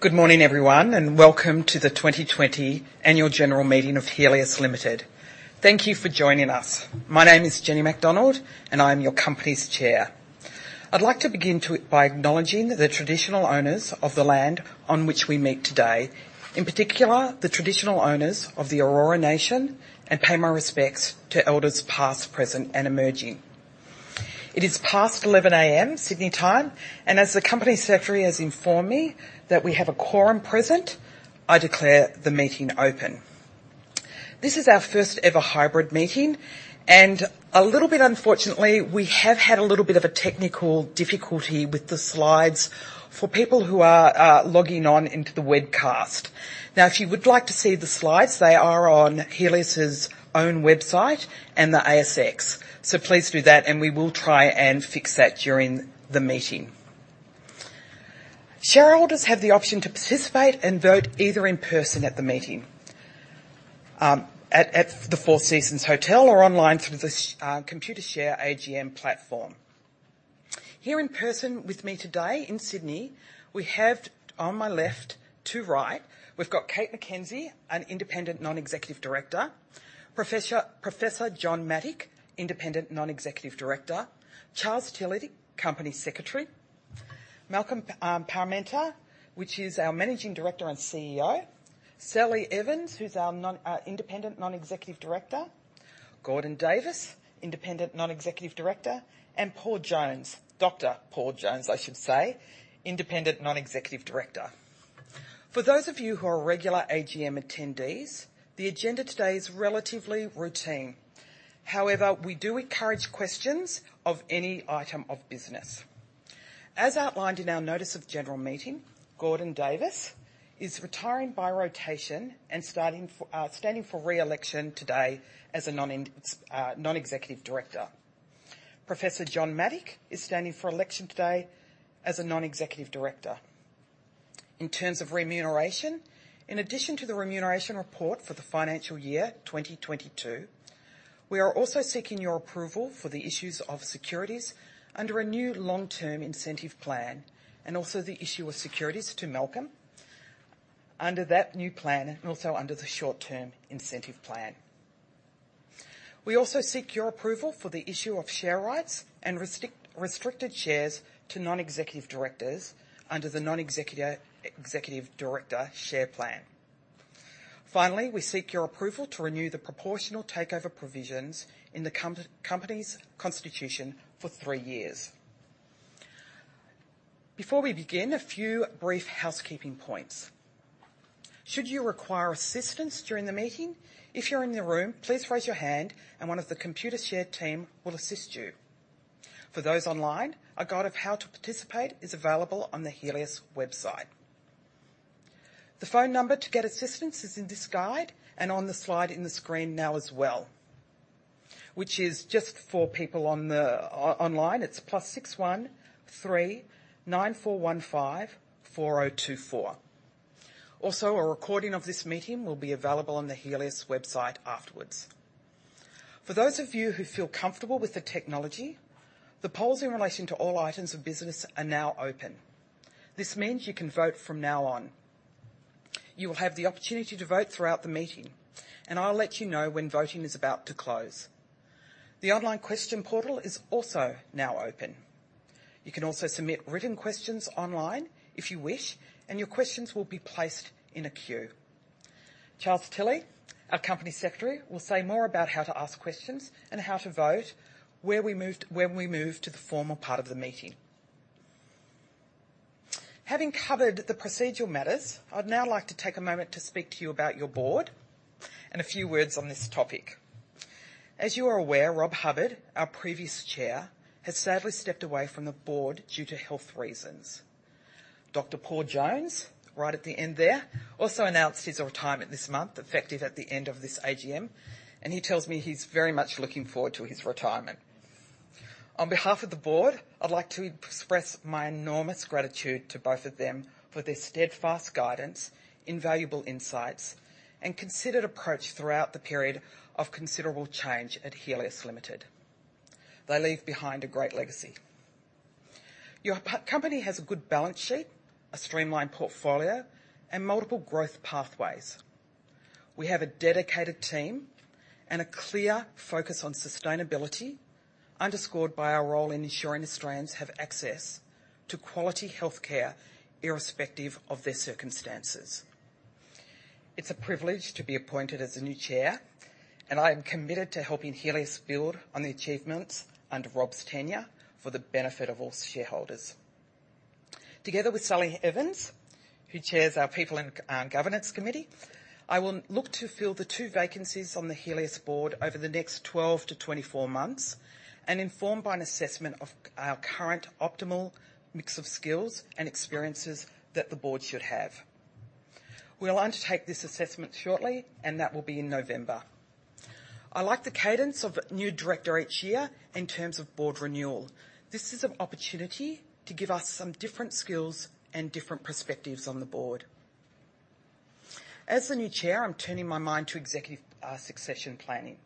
Good morning, everyone, and welcome to the 2020 Annual General Meeting of Healius Limited. Thank you for joining us. My name is Jenny Macdonald, and I'm your company's Chair. I'd like to begin by acknowledging the traditional owners of the land on which we meet today. In particular, the traditional owners of the Gadigal Nation, and pay my respects to elders past, present, and emerging. It is past 11 A.M., Sydney time, and as the company secretary has informed me that we have a quorum present, I declare the meeting open. This is our first-ever hybrid meeting, and a little bit unfortunately, we have had a little bit of a technical difficulty with the slides for people who are logging on into the webcast. Now, if you would like to see the slides, they are on Healius' own website and the ASX. Please do that and we will try and fix that during the meeting. Shareholders have the option to participate and vote either in person at the meeting at the Four Seasons Hotel or online through the Computershare AGM platform. Here in person with me today in Sydney, we have on my left to right, we've got Kate McKenzie, an Independent Non-Executive Director. Professor John Mattick, Independent Non-Executive Director. Charles Tilley, Company Secretary. Malcolm Parmenter, which is our Managing Director and CEO. Sally Evans, who's our Independent Non-Executive Director. Gordon Davis, Independent Non-Executive Director, and Paul Jones. Dr. Paul Jones, I should say, Independent Non-Executive Director. For those of you who are regular AGM attendees, the agenda today is relatively routine. However, we do encourage questions of any item of business. As outlined in our notice of general meeting, Gordon Davis is retiring by rotation and standing for re-election today as a non-executive director. Professor John Mattick is standing for election today as a non-executive director. In terms of remuneration, in addition to the Remuneration Report for the financial year 2022, we are also seeking your approval for the issues of securities under a new long-term incentive plan, and also the issue of securities to Malcolm under that new plan and also under the short-term incentive plan. We also seek your approval for the issue of share rights and restricted shares to non-executive directors under the Non-Executive Director Share Plan. Finally, we seek your approval to renew the proportional takeover provisions in the company's constitution for three years. Before we begin, a few brief housekeeping points. Should you require assistance during the meeting, if you're in the room, please raise your hand and one of the Computershare team will assist you. For those online, a guide of how to participate is available on the Healius website. The phone number to get assistance is in this guide and on the slide on the screen now as well, which is just for people online, it's +61 3 9415 4024. Also, a recording of this meeting will be available on the Healius website afterwards. For those of you who feel comfortable with the technology, the polls in relation to all items of business are now open. This means you can vote from now on. You will have the opportunity to vote throughout the meeting, and I'll let you know when voting is about to close. The online question portal is also now open. You can also submit written questions online if you wish, and your questions will be placed in a queue. Charles Tilley, our company secretary, will say more about how to ask questions and how to vote when we move to the formal part of the meeting. Having covered the procedural matters, I'd now like to take a moment to speak to you about your board and a few words on this topic. As you are aware, Rob Hubbard, our previous chair, has sadly stepped away from the board due to health reasons. Dr. Paul Jones, right at the end there, also announced his retirement this month, effective at the end of this AGM, and he tells me he's very much looking forward to his retirement. On behalf of the board, I'd like to express my enormous gratitude to both of them for their steadfast guidance, invaluable insights, and considered approach throughout the period of considerable change at Healius Limited. They leave behind a great legacy. Your company has a good balance sheet, a streamlined portfolio, and multiple growth pathways. We have a dedicated team and a clear focus on sustainability, underscored by our role in ensuring Australians have access to quality healthcare irrespective of their circumstances. It's a privilege to be appointed as the new chair, and I am committed to helping Healius build on the achievements under Rob's tenure for the benefit of all shareholders. Together with Sally Evans, who chairs our People and Governance Committee, I will look to fill the two vacancies on the Healius board over the next 12-24 months, and informed by an assessment of our current optimal mix of skills and experiences that the board should have. We'll undertake this assessment shortly, and that will be in November. I like the cadence of a new director each year in terms of board renewal. This is an opportunity to give us some different skills and different perspectives on the board. As the new chair, I'm turning my mind to executive succession planning.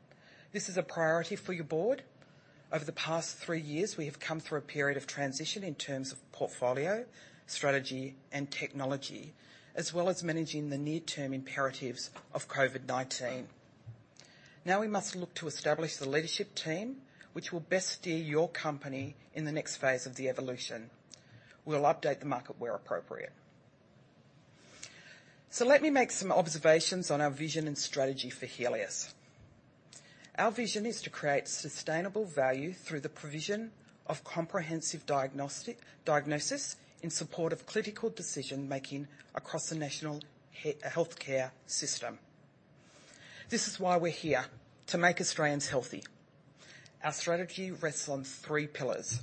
This is a priority for your board. Over the past three years, we have come through a period of transition in terms of portfolio, strategy, and technology, as well as managing the near-term imperatives of COVID-19. Now we must look to establish the leadership team which will best steer your company in the next phase of the evolution. We'll update the market where appropriate. Let me make some observations on our vision and strategy for Healius. Our vision is to create sustainable value through the provision of comprehensive diagnosis in support of clinical decision-making across the national healthcare system. This is why we're here, to make Australians healthy. Our strategy rests on three pillars.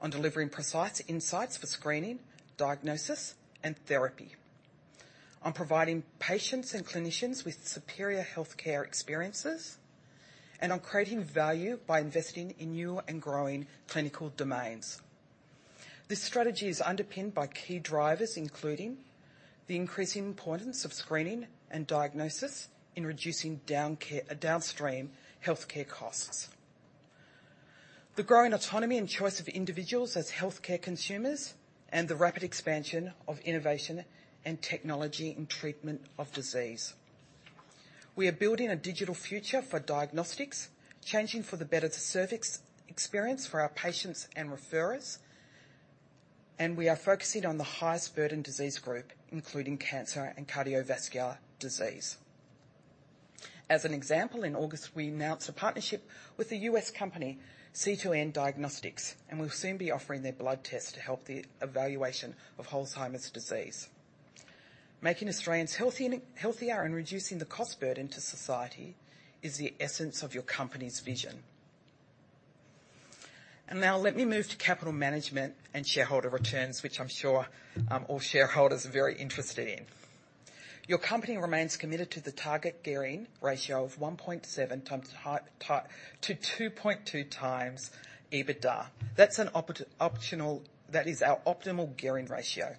On delivering precise insights for screening, diagnosis, and therapy, on providing patients and clinicians with superior healthcare experiences, and on creating value by investing in new and growing clinical domains. This strategy is underpinned by key drivers, including the increasing importance of screening and diagnosis in reducing downstream healthcare costs, the growing autonomy and choice of individuals as healthcare consumers, and the rapid expansion of innovation and technology in treatment of disease. We are building a digital future for diagnostics, changing for the better the service experience for our patients and referrers, and we are focusing on the highest burden disease group, including cancer and cardiovascular disease. As an example, in August, we announced a partnership with the U.S. company, C2N Diagnostics, and we'll soon be offering their blood test to help the evaluation of Alzheimer's disease. Making Australians healthy and healthier and reducing the cost burden to society is the essence of your company's vision. Now let me move to capital management and shareholder returns, which I'm sure all shareholders are very interested in. Your company remains committed to the target gearing ratio of 1.7x-2.2x EBITDA. That is our optimal gearing ratio.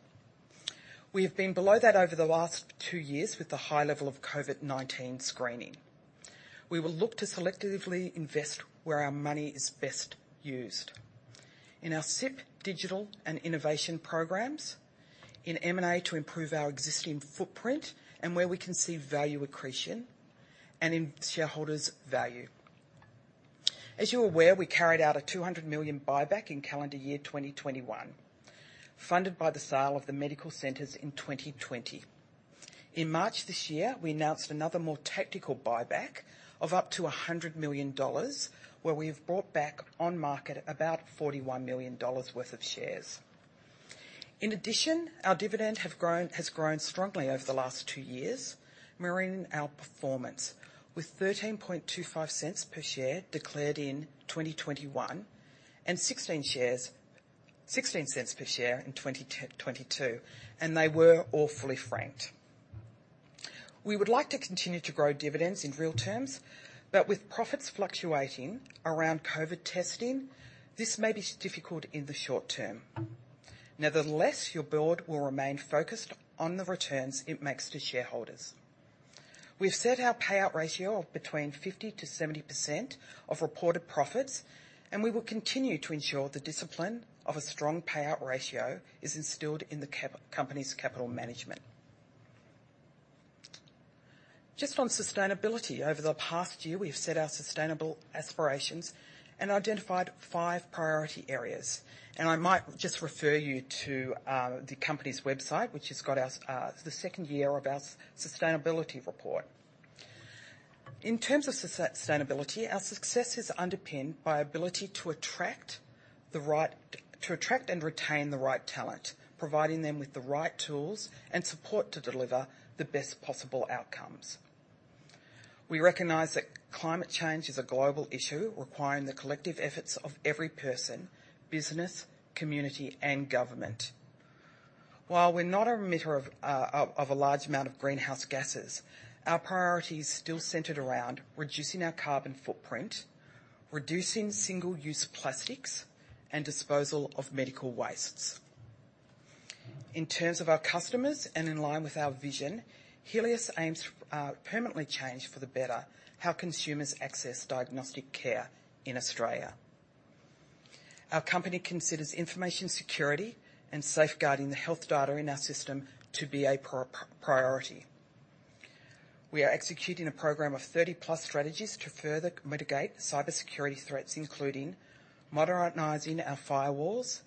We have been below that over the last two years with the high level of COVID-19 screening. We will look to selectively invest where our money is best used, in our SIP digital and innovation programs, in M&A to improve our existing footprint and where we can see value accretion, and in shareholders value. As you're aware, we carried out a 200 million buyback in calendar year 2021, funded by the sale of the medical centers in 2020. In March this year, we announced another more tactical buyback of up to 100 million dollars, where we have brought back on market about 41 million dollars worth of shares. In addition, our dividend have grown. has grown strongly over the last two years, mirroring our performance with 0.1325 per share declared in 2021 and 0.16 per share in 2022, and they were all fully franked. We would like to continue to grow dividends in real terms, but with profits fluctuating around COVID testing, this may be difficult in the short term. Nevertheless, your board will remain focused on the returns it makes to shareholders. We've set our payout ratio of between 50%-70% of reported profits, and we will continue to ensure the discipline of a strong payout ratio is instilled in the company's capital management. Just on sustainability, over the past year, we've set our sustainable aspirations and identified five priority areas. I might just refer you to the company's website, which has got the second year of our sustainability report. In terms of sustainability, our success is underpinned by ability to attract and retain the right talent, providing them with the right tools and support to deliver the best possible outcomes. We recognize that climate change is a global issue requiring the collective efforts of every person, business, community, and government. While we're not an emitter of a large amount of greenhouse gases, our priority is still centered around reducing our carbon footprint, reducing single-use plastics, and disposal of medical wastes. In terms of our customers and in line with our vision, Healius aims to permanently change for the better how consumers access diagnostic care in Australia. Our company considers information security and safeguarding the health data in our system to be a priority. We are executing a program of 30+ strategies to further mitigate cybersecurity threats, including modernizing our firewalls,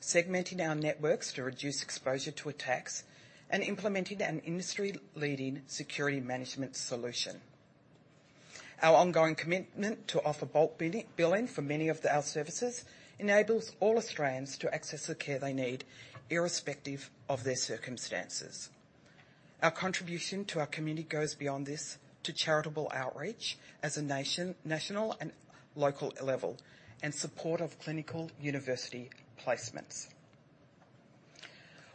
segmenting our networks to reduce exposure to attacks, and implementing an industry-leading security management solution. Our ongoing commitment to offer bulk billing for many of our services enables all Australians to access the care they need, irrespective of their circumstances. Our contribution to our community goes beyond this to charitable outreach as a national and local level, and support of clinical university placements.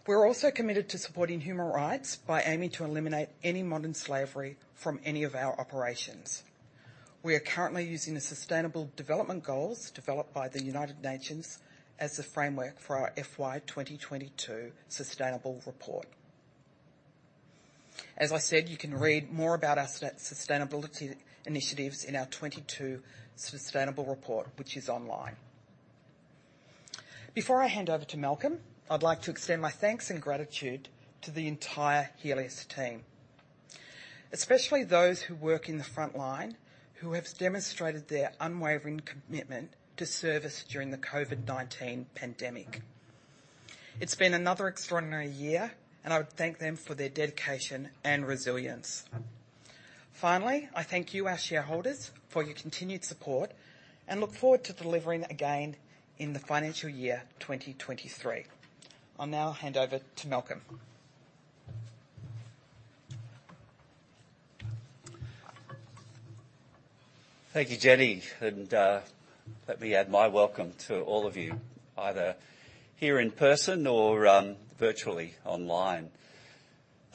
We're also committed to supporting human rights by aiming to eliminate any modern slavery from any of our operations. We are currently using the sustainable development goals developed by the United Nations as a framework for our FY 2022 sustainable report. As I said, you can read more about our sustainability initiatives in our 2022 sustainability report, which is online. Before I hand over to Malcolm, I'd like to extend my thanks and gratitude to the entire Healius team, especially those who work in the front line, who have demonstrated their unwavering commitment to service during the COVID-19 pandemic. It's been another extraordinary year, and I would thank them for their dedication and resilience. Finally, I thank you, our shareholders, for your continued support and look forward to delivering again in the financial year 2023. I'll now hand over to Malcolm. Thank you, Jenny, and let me add my welcome to all of you, either here in person or virtually online.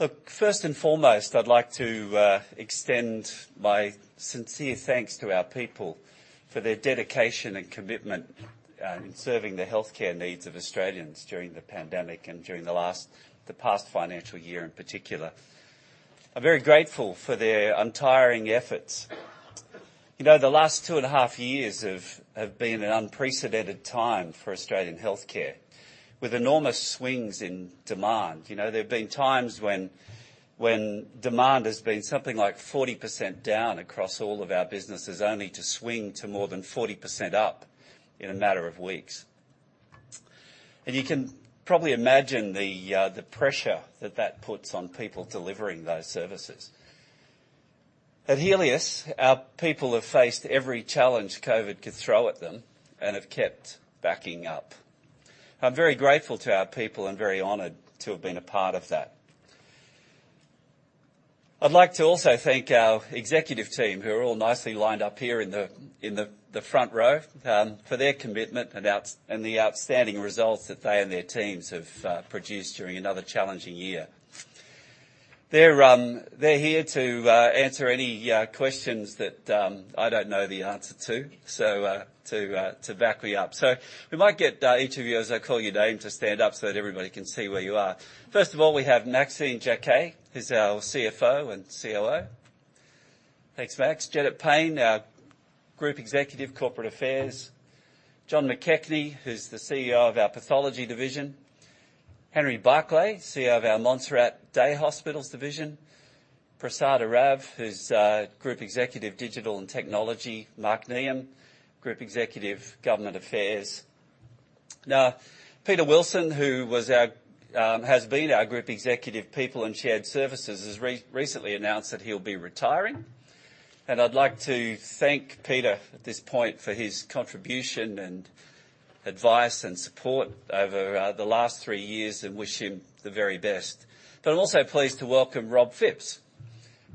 Look, first and foremost, I'd like to extend my sincere thanks to our people for their dedication and commitment in serving the healthcare needs of Australians during the pandemic and during the past financial year in particular. I'm very grateful for their untiring efforts. You know, the last 2.5 years have been an unprecedented time for Australian healthcare, with enormous swings in demand. You know, there have been times when demand has been something like 40% down across all of our businesses, only to swing to more than 40% up in a matter of weeks. You can probably imagine the pressure that that puts on people delivering those services. At Healius, our people have faced every challenge COVID could throw at them and have kept backing up. I'm very grateful to our people and very honored to have been a part of that. I'd like to also thank our executive team, who are all nicely lined up here in the front row, for their commitment and outstanding results that they and their teams have produced during another challenging year. They're here to answer any questions that I don't know the answer to back me up. We might get each of you, as I call your name, to stand up so that everybody can see where you are. First of all, we have Maxine Jaquet, who's our CFO and COO. Thanks, Max. Janet Payne, our Group Executive, Corporate Affairs. John McKechnie, who's the CEO of our Pathology division. Henry Barclay, CEO of our Montserrat Day Hospitals division. Prasad Arav, who's Group Executive, Digital and Technology. Mark Neeham, Group Executive, Government Affairs. Now, Peter Wilson, who has been our Group Executive, People and Shared Services, has recently announced that he'll be retiring, and I'd like to thank Peter at this point for his contribution and advice and support over the last three years and wish him the very best. I'm also pleased to welcome Rob Phipps,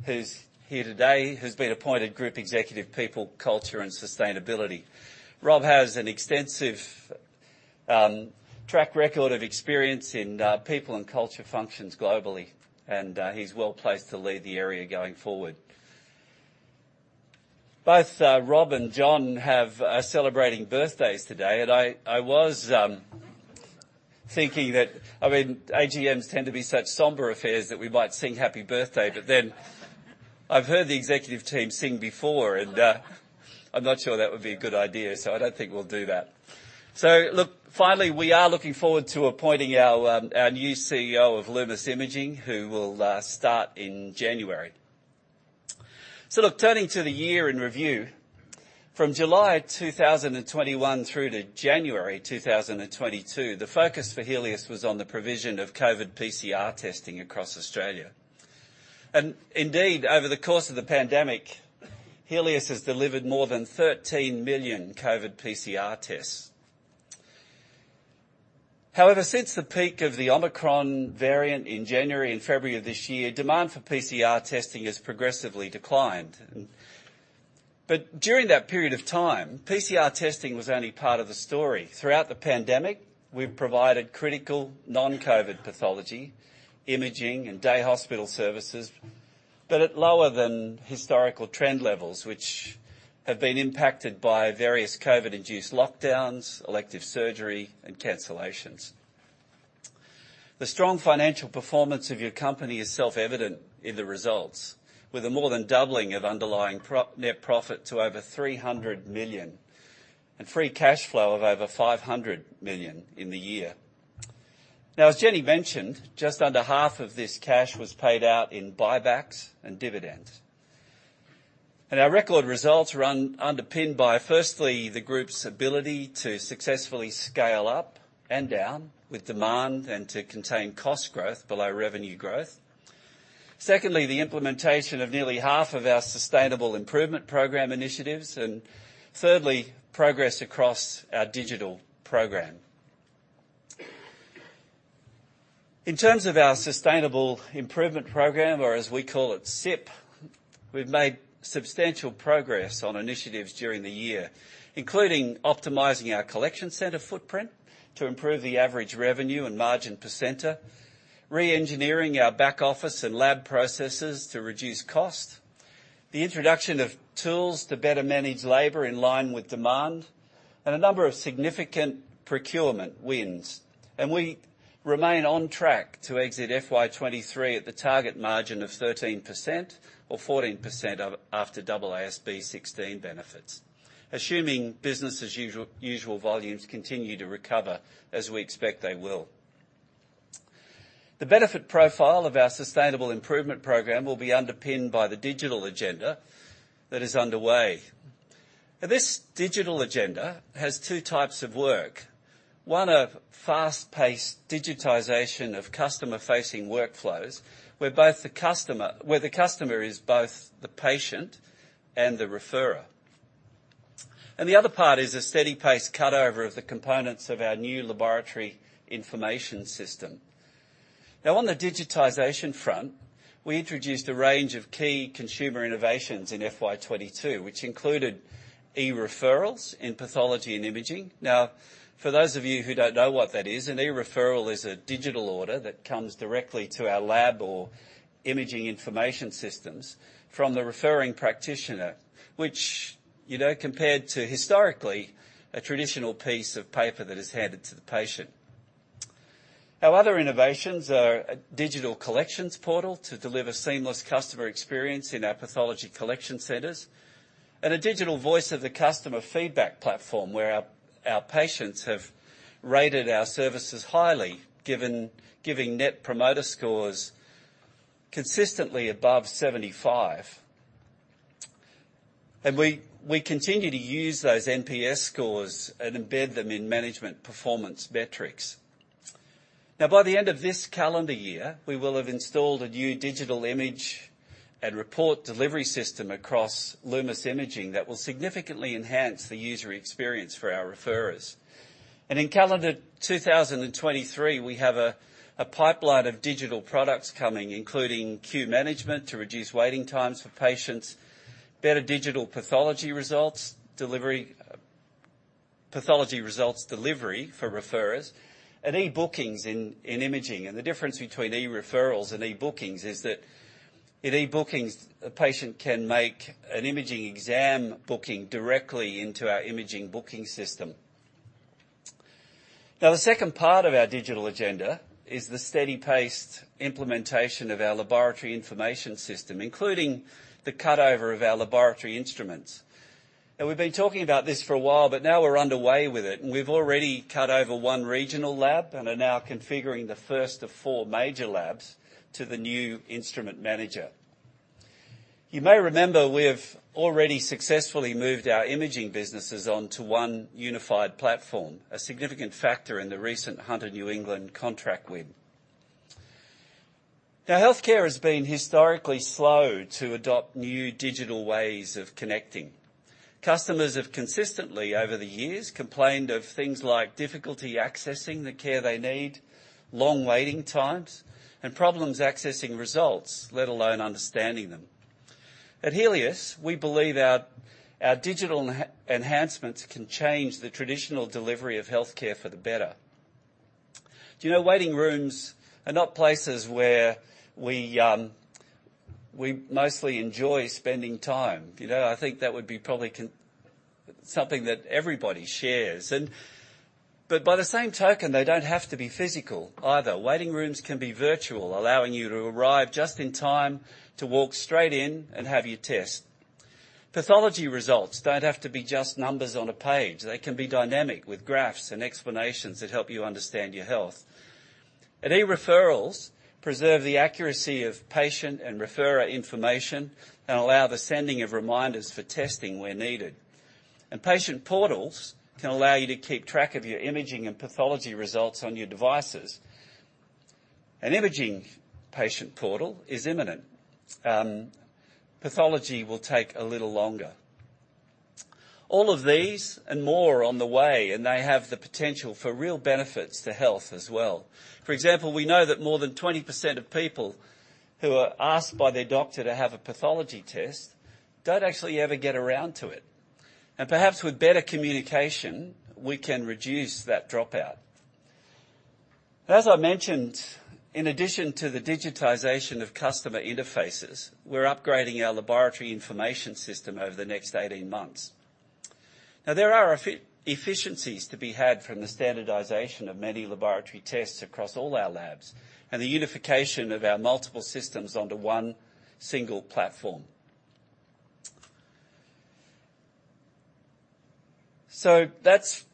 who's here today, who's been appointed Group Executive, People, Culture, and Sustainability. Rob has an extensive track record of experience in people and culture functions globally, and he's well-placed to lead the area going forward. Both Rob and John are celebrating birthdays today, and I was thinking that, I mean, AGMs tend to be such somber affairs that we might sing happy birthday, but then I've heard the executive team sing before, and I'm not sure that would be a good idea, so I don't think we'll do that. Look, finally, we are looking forward to appointing our new CEO of Lumus Imaging, who will start in January. Look, turning to the year in review, from July 2021 through to January 2022, the focus for Healius was on the provision of COVID PCR testing across Australia. Indeed, over the course of the pandemic, Healius has delivered more than 13 million COVID PCR tests. However, since the peak of the Omicron variant in January and February of this year, demand for PCR testing has progressively declined. During that period of time, PCR testing was only part of the story. Throughout the pandemic, we've provided critical non-COVID pathology, imaging, and day hospital services, but at lower than historical trend levels, which have been impacted by various COVID-induced lockdowns, elective surgery, and cancellations. The strong financial performance of your company is self-evident in the results, with a more than doubling of underlying net profit to over 300 million and free cash flow of over 500 million in the year. Now, as Jenny mentioned, just under half of this cash was paid out in buybacks and dividends. Our record results were underpinned by, firstly, the group's ability to successfully scale up and down with demand and to contain cost growth below revenue growth. Secondly, the implementation of nearly half of our sustainable improvement program initiatives. Thirdly, progress across our digital program. In terms of our sustainable improvement program, or as we call it, SIP, we've made substantial progress on initiatives during the year, including optimizing our collection center footprint to improve the average revenue and margin per center. Reengineering our back office and lab processes to reduce cost, the introduction of tools to better manage labor in line with demand, and a number of significant procurement wins. We remain on track to exit FY 2023 at the target margin of 13% or 14% after AASB 16 benefits, assuming business as usual volumes continue to recover as we expect they will. The benefit profile of our sustainable improvement program will be underpinned by the digital agenda that is underway. Now, this digital agenda has two types of work. One, a fast-paced digitization of customer-facing workflows where the customer is both the patient and the referrer. The other part is a steady pace cut-over of the components of our new laboratory information system. Now, on the digitization front, we introduced a range of key consumer innovations in FY 2022, which included e-referrals in pathology and imaging. Now, for those of you who don't know what that is, an e-referral is a digital order that comes directly to our lab or imaging information systems from the referring practitioner, which, you know, compared to historically, a traditional piece of paper that is handed to the patient. Our other innovations are a digital collections portal to deliver seamless customer experience in our pathology collection centers, and a digital voice of the customer feedback platform where our patients have rated our services highly, giving net promoter scores consistently above 75. We continue to use those NPS scores and embed them in management performance metrics. Now, by the end of this calendar year, we will have installed a new digital image and report delivery system across Lumus Imaging that will significantly enhance the user experience for our referrers. In calendar 2023, we have a pipeline of digital products coming, including queue management to reduce waiting times for patients, better digital pathology results delivery, pathology results delivery for referrers, and e-bookings in imaging. The difference between e-referrals and e-bookings is that in e-bookings, a patient can make an imaging exam booking directly into our imaging booking system. Now, the second part of our digital agenda is the steady paced implementation of our laboratory information system, including the cut-over of our laboratory instruments. Now, we've been talking about this for a while, but now we're underway with it, and we've already cut over one regional lab and are now configuring the first of four major labs to the new instrument manager. You may remember we have already successfully moved our imaging businesses onto one unified platform, a significant factor in the recent Hunter New England contract win. Now, healthcare has been historically slow to adopt new digital ways of connecting. Customers have consistently, over the years, complained of things like difficulty accessing the care they need, long waiting times, and problems accessing results, let alone understanding them. At Healius, we believe our digital enhancements can change the traditional delivery of healthcare for the better. Do you know, waiting rooms are not places where we mostly enjoy spending time, you know? I think that would be probably something that everybody shares. By the same token, they don't have to be physical either. Waiting rooms can be virtual, allowing you to arrive just in time to walk straight in and have your test. Pathology results don't have to be just numbers on a page. They can be dynamic with graphs and explanations that help you understand your health. E-referrals preserve the accuracy of patient and referrer information and allow the sending of reminders for testing where needed. Patient portals can allow you to keep track of your imaging and pathology results on your devices. An imaging patient portal is imminent. Pathology will take a little longer. All of these and more are on the way, and they have the potential for real benefits to health as well. For example, we know that more than 20% of people who are asked by their doctor to have a pathology test don't actually ever get around to it. Perhaps with better communication, we can reduce that dropout. As I mentioned, in addition to the digitization of customer interfaces, we're upgrading our laboratory information system over the next 18 months. There are efficiencies to be had from the standardization of many laboratory tests across all our labs and the unification of our multiple systems onto one single platform. That's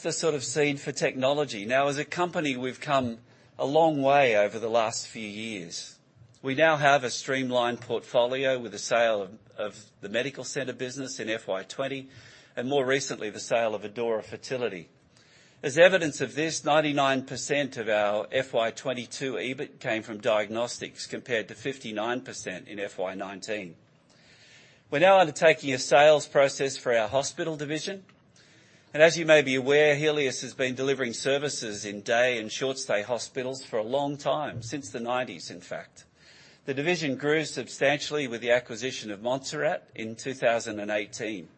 the sort of scene for technology. As a company, we've come a long way over the last few years. We now have a streamlined portfolio with the sale of the medical center business in FY 2020, and more recently, the sale of Adora Fertility. As evidence of this, 99% of our FY 2022 EBIT came from diagnostics, compared to 59% in FY 2019. We're now undertaking a sales process for our hospital division. As you may be aware, Healius has been delivering services in day and short stay hospitals for a long time, since the 1990s, in fact. The division grew substantially with the acquisition of Montserrat in 2018.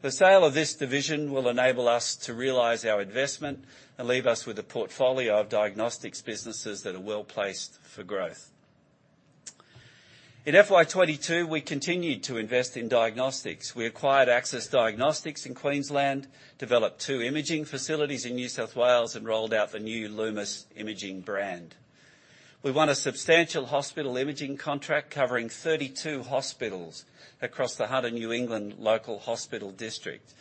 The sale of this division will enable us to realize our investment and leave us with a portfolio of diagnostics businesses that are well-placed for growth. In FY 2022, we continued to invest in diagnostics. We acquired Axis Diagnostics in Queensland, developed two imaging facilities in New South Wales, and rolled out the new Lumus Imaging brand. We won a substantial hospital imaging contract covering 32 hospitals across the Hunter New England Local Health District.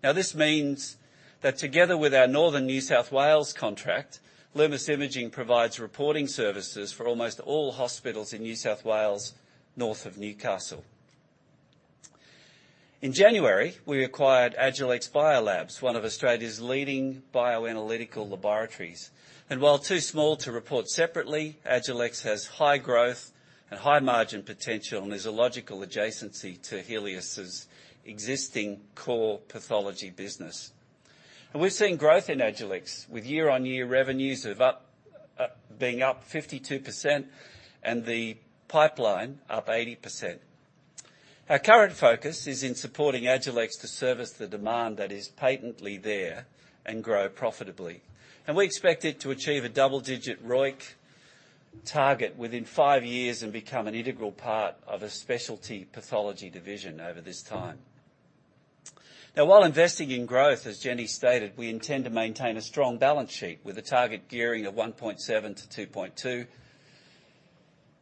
Now, this means that together with our northern New South Wales contract, Lumus Imaging provides reporting services for almost all hospitals in New South Wales, north of Newcastle. In January, we acquired Agilex Biolabs, one of Australia's leading bioanalytical laboratories. While too small to report separately, Agilex has high growth and high margin potential, and is a logical adjacency to Healius' existing core pathology business. We've seen growth in Agilex with year-on-year revenues of up, being up 52% and the pipeline up 80%. Our current focus is in supporting Agilex to service the demand that is patently there and grow profitably. We expect it to achieve a double-digit ROIC target within five years and become an integral part of a specialty pathology division over this time. Now, while investing in growth, as Jenny stated, we intend to maintain a strong balance sheet with a target gearing of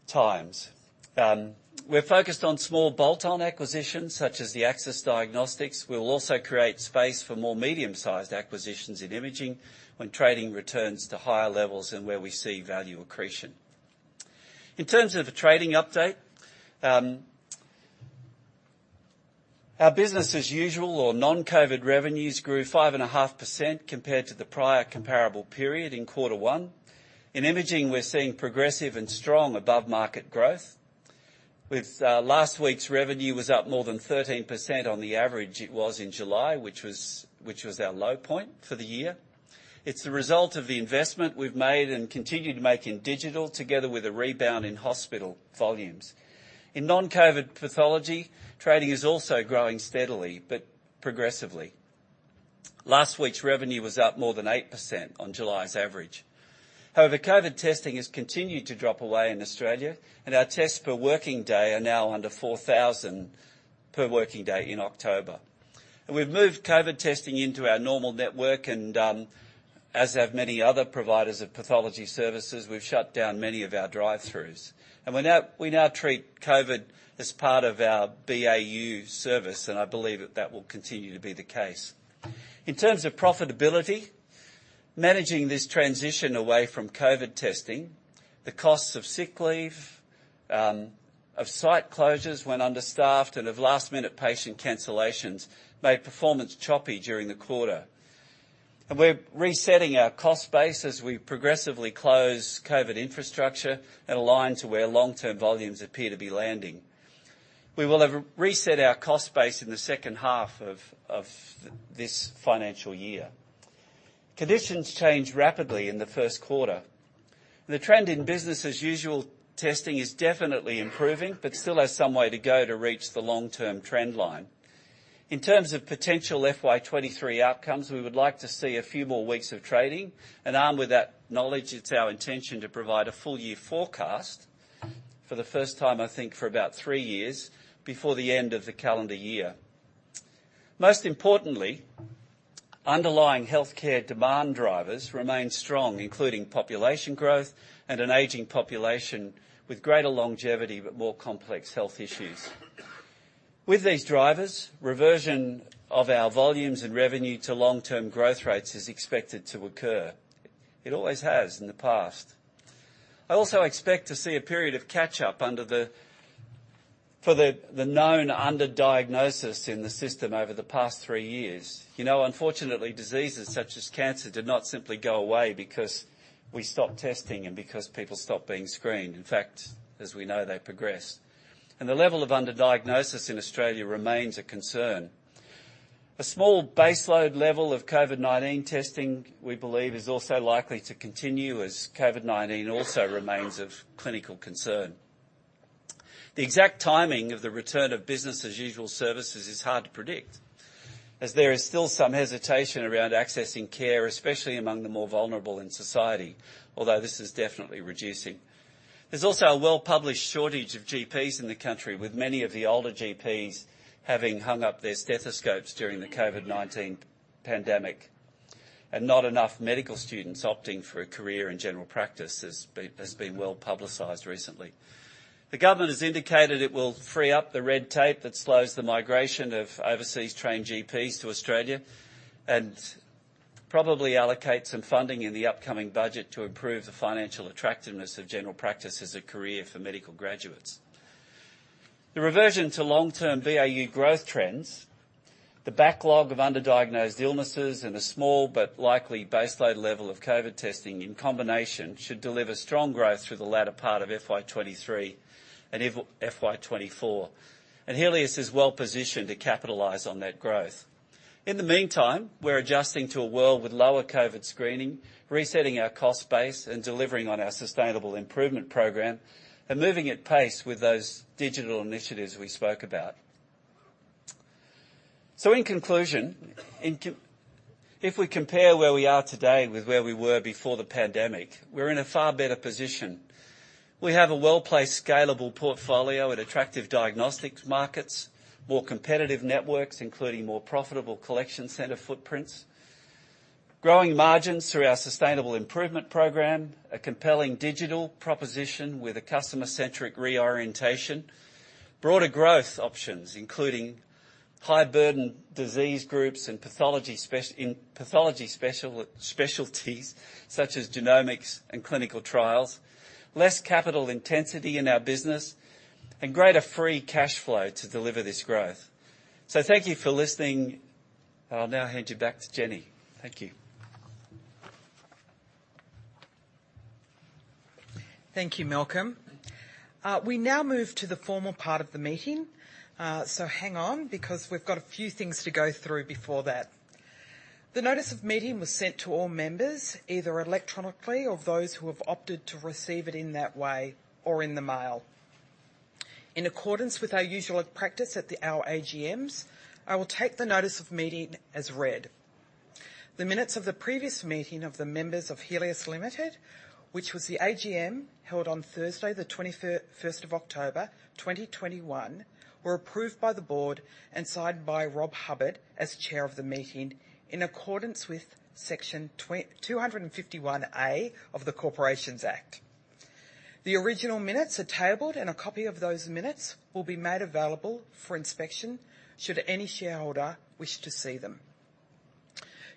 1.7-2.2x. We're focused on small bolt-on acquisitions such as the Axis Diagnostics. We will also create space for more medium-sized acquisitions in imaging when trading returns to higher levels and where we see value accretion. In terms of the trading update, our business as usual or non-COVID revenues grew 5.5% compared to the prior comparable period in quarter one. In imaging, we're seeing progressive and strong above market growth, with last week's revenue was up more than 13% on the average it was in July, which was our low point for the year. It's the result of the investment we've made and continue to make in digital together with a rebound in hospital volumes. In non-COVID pathology, trading is also growing steadily but progressively. Last week's revenue was up more than 8% on July's average. However, COVID testing has continued to drop away in Australia and our tests per working day are now under 4,000 per working day in October. We've moved COVID testing into our normal network and, as have many other providers of pathology services, we've shut down many of our drive-throughs. We now treat COVID as part of our BAU service, and I believe that that will continue to be the case. In terms of profitability, managing this transition away from COVID testing, the costs of sick leave, of site closures when understaffed and of last-minute patient cancellations made performance choppy during the quarter. We're resetting our cost base as we progressively close COVID infrastructure and align to where long-term volumes appear to be landing. We will have reset our cost base in the second half of this financial year. Conditions changed rapidly in the first quarter. The trend in business as usual testing is definitely improving, but still has some way to go to reach the long-term trend line. In terms of potential FY 2023 outcomes, we would like to see a few more weeks of trading, and armed with that knowledge, it's our intention to provide a full year forecast for the first time, I think, for about three years before the end of the calendar year. Most importantly, underlying healthcare demand drivers remain strong, including population growth and an aging population with greater longevity but more complex health issues. With these drivers, reversion of our volumes and revenue to long-term growth rates is expected to occur. It always has in the past. I also expect to see a period of catch-up for the known underdiagnosis in the system over the past three years. You know, unfortunately, diseases such as cancer did not simply go away because we stopped testing and because people stopped being screened. In fact, as we know, they progress. The level of underdiagnosis in Australia remains a concern. A small baseload level of COVID-19 testing, we believe, is also likely to continue as COVID-19 also remains of clinical concern. The exact timing of the return of business as usual services is hard to predict, as there is still some hesitation around accessing care, especially among the more vulnerable in society, although this is definitely reducing. There's also a well-published shortage of GPs in the country, with many of the older GPs having hung up their stethoscopes during the COVID-19 pandemic, and not enough medical students opting for a career in general practice as has been well-publicized recently. The government has indicated it will free up the red tape that slows the migration of overseas trained GPs to Australia, and probably allocate some funding in the upcoming budget to improve the financial attractiveness of general practice as a career for medical graduates. The reversion to long-term BAU growth trends, the backlog of underdiagnosed illnesses, and a small but likely baseload level of COVID testing in combination, should deliver strong growth through the latter part of FY 2023 and FY 2024. Healius is well positioned to capitalize on that growth. In the meantime, we're adjusting to a world with lower COVID screening, resetting our cost base, and delivering on our sustainable improvement program, and moving at pace with those digital initiatives we spoke about. In conclusion, in com... If we compare where we are today with where we were before the pandemic, we're in a far better position. We have a well-placed, scalable portfolio at attractive diagnostics markets, more competitive networks, including more profitable collection center footprints, growing margins through our sustainable improvement program, a compelling digital proposition with a customer-centric reorientation, broader growth options, including high-burden disease groups and pathology specialties such as genomics and clinical trials, less capital intensity in our business, and greater free cash flow to deliver this growth. Thank you for listening. I'll now hand you back to Jenny. Thank you. Thank you, Malcolm. We now move to the formal part of the meeting. Hang on, because we've got a few things to go through before that. The notice of meeting was sent to all members, either electronically or those who have opted to receive it in that way or in the mail. In accordance with our usual practice at our AGMs, I will take the notice of meeting as read. The minutes of the previous meeting of the members of Healius Limited, which was the AGM held on Thursday, the 21st of October, 2021, were approved by the board and signed by Rob Hubbard as chair of the meeting in accordance with Section 251A of the Corporations Act. The original minutes are tabled and a copy of those minutes will be made available for inspection should any shareholder wish to see them.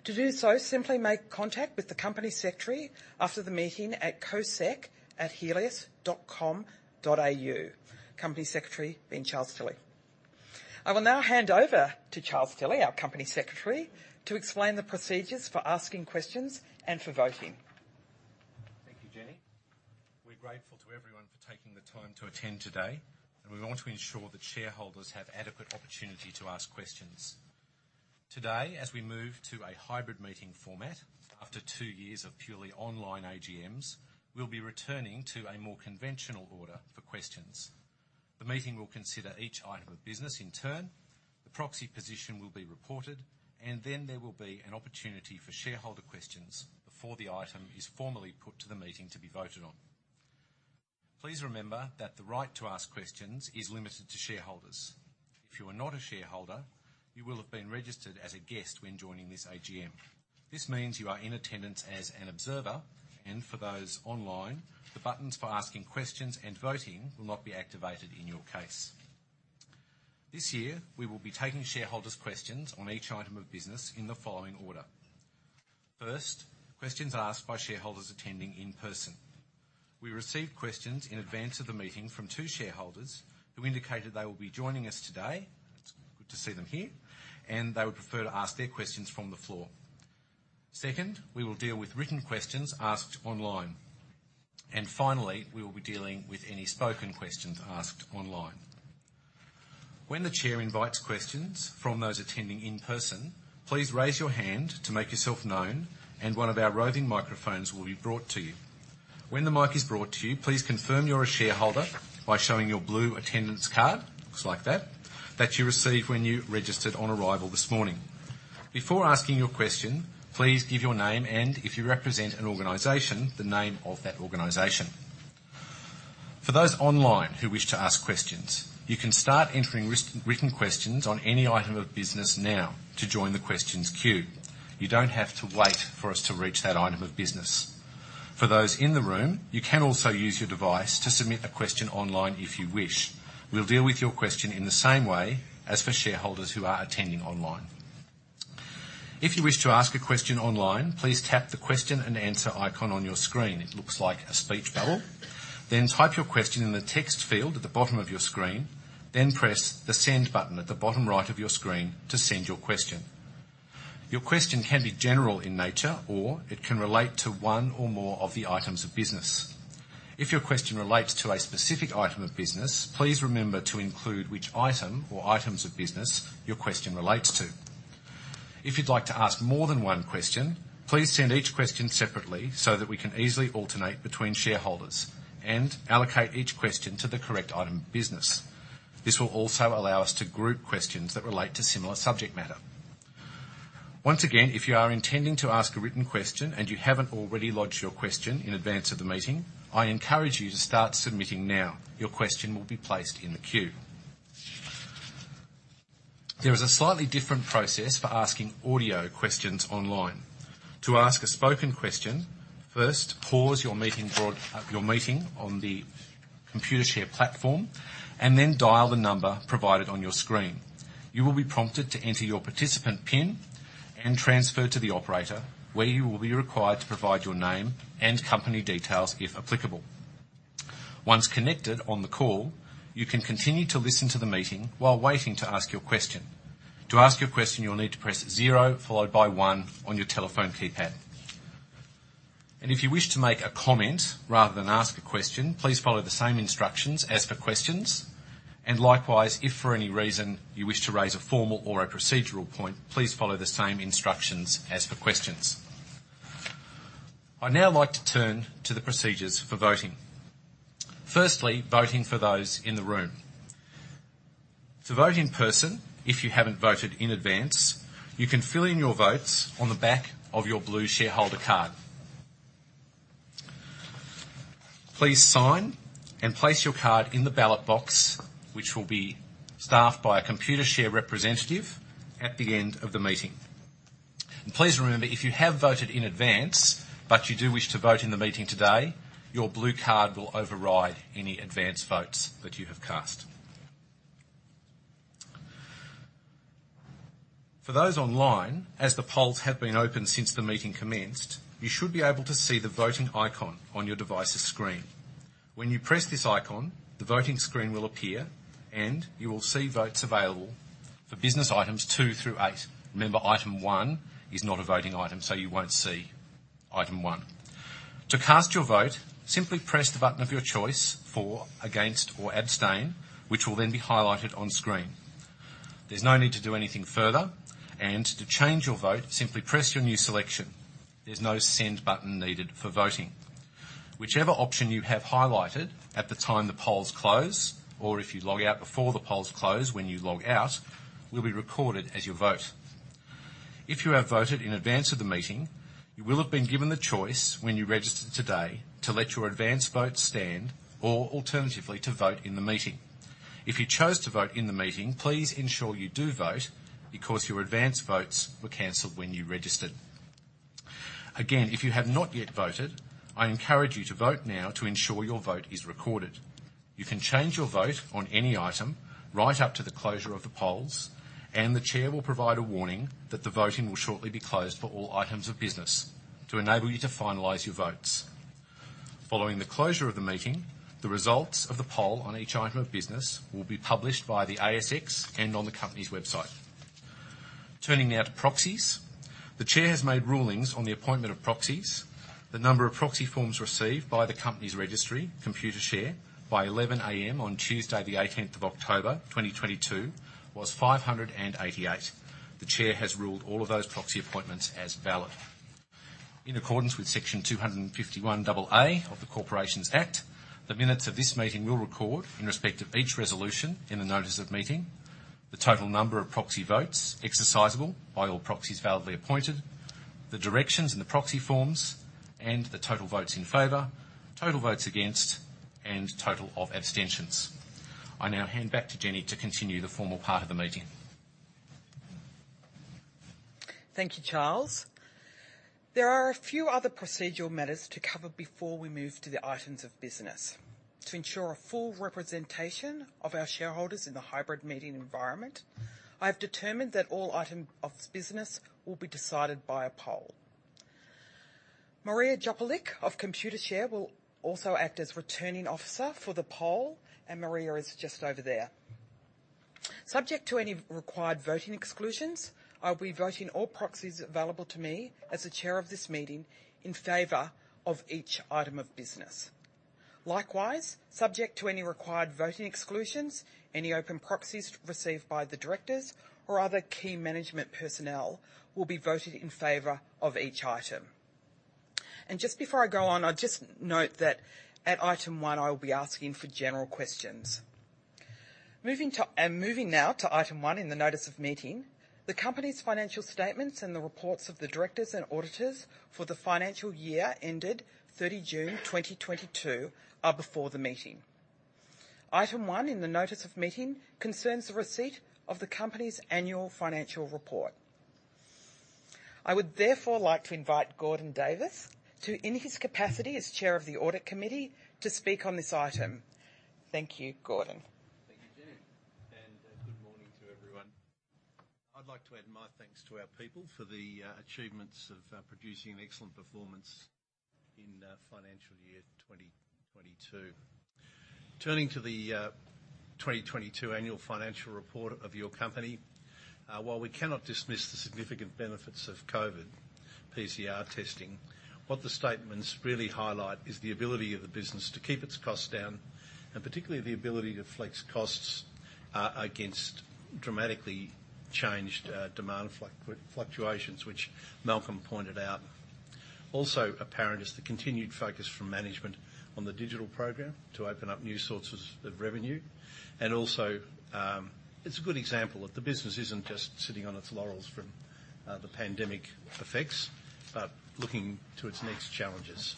To do so, simply make contact with the Company Secretary after the meeting at cosec@healius.com.au, Company Secretary being Charles Tilley. I will now hand over to Charles Tilley, our Company Secretary, to explain the procedures for asking questions and for voting. Thank you, Jenny. We're grateful to everyone for taking the time to attend today, and we want to ensure that shareholders have adequate opportunity to ask questions. Today, as we move to a hybrid meeting format after two years of purely online AGMs, we'll be returning to a more conventional order for questions. The meeting will consider each item of business in turn, the proxy position will be reported, and then there will be an opportunity for shareholder questions before the item is formally put to the meeting to be voted on. Please remember that the right to ask questions is limited to shareholders. If you are not a shareholder, you will have been registered as a guest when joining this AGM. This means you are in attendance as an observer, and for those online, the buttons for asking questions and voting will not be activated in your case. This year, we will be taking shareholders' questions on each item of business in the following order. First, questions asked by shareholders attending in person. We received questions in advance of the meeting from two shareholders who indicated they will be joining us today. It's good to see them here, and they would prefer to ask their questions from the floor. Second, we will deal with written questions asked online. Finally, we will be dealing with any spoken questions asked online. When the chair invites questions from those attending in person, please raise your hand to make yourself known, and one of our roving microphones will be brought to you. When the mic is brought to you, please confirm you're a shareholder by showing your blue attendance card, looks like that you received when you registered on arrival this morning. Before asking your question, please give your name and, if you represent an organization, the name of that organization. For those online who wish to ask questions, you can start entering written questions on any item of business now to join the questions queue. You don't have to wait for us to reach that item of business. For those in the room, you can also use your device to submit a question online if you wish. We'll deal with your question in the same way as for shareholders who are attending online. If you wish to ask a question online, please tap the question and answer icon on your screen. It looks like a speech bubble. Then type your question in the text field at the bottom of your screen, then press the Send button at the bottom right of your screen to send your question. Your question can be general in nature, or it can relate to one or more of the items of business. If your question relates to a specific item of business, please remember to include which item or items of business your question relates to. If you'd like to ask more than one question, please send each question separately so that we can easily alternate between shareholders and allocate each question to the correct item of business. This will also allow us to group questions that relate to similar subject matter. Once again, if you are intending to ask a written question and you haven't already lodged your question in advance of the meeting, I encourage you to start submitting now. Your question will be placed in the queue. There is a slightly different process for asking audio questions online. To ask a spoken question, first, pause your meeting on the Computershare platform, and then dial the number provided on your screen. You will be prompted to enter your participant pin and transfer to the operator, where you will be required to provide your name and company details if applicable. Once connected on the call, you can continue to listen to the meeting while waiting to ask your question. To ask your question, you'll need to press zero followed by one on your telephone keypad. If you wish to make a comment rather than ask a question, please follow the same instructions as for questions. Likewise, if for any reason you wish to raise a formal or a procedural point, please follow the same instructions as for questions. I'd now like to turn to the procedures for voting. Firstly, voting for those in the room. To vote in person, if you haven't voted in advance, you can fill in your votes on the back of your blue shareholder card. Please sign and place your card in the ballot box, which will be staffed by a Computershare representative at the end of the meeting. Please remember, if you have voted in advance, but you do wish to vote in the meeting today, your blue card will override any advanced votes that you have cast. For those online, as the polls have been open since the meeting commenced, you should be able to see the voting icon on your device's screen. When you press this icon, the voting screen will appear, and you will see votes available for business items two through eight. Remember, item one is not a voting item, so you won't see item one. To cast your vote, simply press the button of your choice for, against, or abstain, which will then be highlighted on screen. There's no need to do anything further. To change your vote, simply press your new selection. There's no send button needed for voting. Whichever option you have highlighted at the time the polls close, or if you log out before the polls close, when you log out, will be recorded as your vote. If you have voted in advance of the meeting, you will have been given the choice when you registered today to let your advance vote stand, or alternatively, to vote in the meeting. If you chose to vote in the meeting, please ensure you do vote because your advance votes were canceled when you registered. Again, if you have not yet voted, I encourage you to vote now to ensure your vote is recorded. You can change your vote on any item right up to the closure of the polls, and the chair will provide a warning that the voting will shortly be closed for all items of business to enable you to finalize your votes. Following the closure of the meeting, the results of the poll on each item of business will be published via the ASX and on the company's website. Turning now to proxies. The chair has made rulings on the appointment of proxies. The number of proxy forms received by the company's registry, Computershare, by 11 A.M. on Tuesday the 18th of October, 2022, was 588. The chair has ruled all of those proxy appointments as valid. In accordance with Section 251AA of the Corporations Act, the minutes of this meeting will record in respect of each resolution in the notice of meeting, the total number of proxy votes exercisable by all proxies validly appointed, the directions in the proxy forms, and the total votes in favor, total votes against, and total of abstentions. I now hand back to Jenny to continue the formal part of the meeting. Thank you, Charles. There are a few other procedural matters to cover before we move to the items of business. To ensure a full representation of our shareholders in the hybrid meeting environment, I have determined that all items of business will be decided by a poll. Maria Jopalik of Computershare will also act as Returning Officer for the poll, and Maria is just over there. Subject to any required voting exclusions, I'll be voting all proxies available to me as the chair of this meeting in favor of each item of business. Likewise, subject to any required voting exclusions, any open proxies received by the directors or other key management personnel will be voted in favor of each item. Just before I go on, I'd just note that at item one, I will be asking for general questions. Moving to. Moving now to item one in the notice of meeting, the company's financial statements and the reports of the directors and auditors for the financial year ended 30 June 2022 are before the meeting. Item one in the notice of meeting concerns the receipt of the company's annual financial report. I would therefore like to invite Gordon Davis to, in his capacity as Chair of the Audit Committee, to speak on this item. Thank you, Gordon. Thank you, Jenny. Good morning to everyone. I'd like to add my thanks to our people for the achievements of producing an excellent performance in financial year 2022. Turning to the 2022 annual financial report of your company, while we cannot dismiss the significant benefits of COVID PCR testing, what the statements really highlight is the ability of the business to keep its costs down, and particularly the ability to flex costs against dramatically changed demand fluctuations, which Malcolm pointed out. Also apparent is the continued focus from management on the digital program to open up new sources of revenue. Also, it's a good example that the business isn't just sitting on its laurels from the pandemic effects, but looking to its next challenges.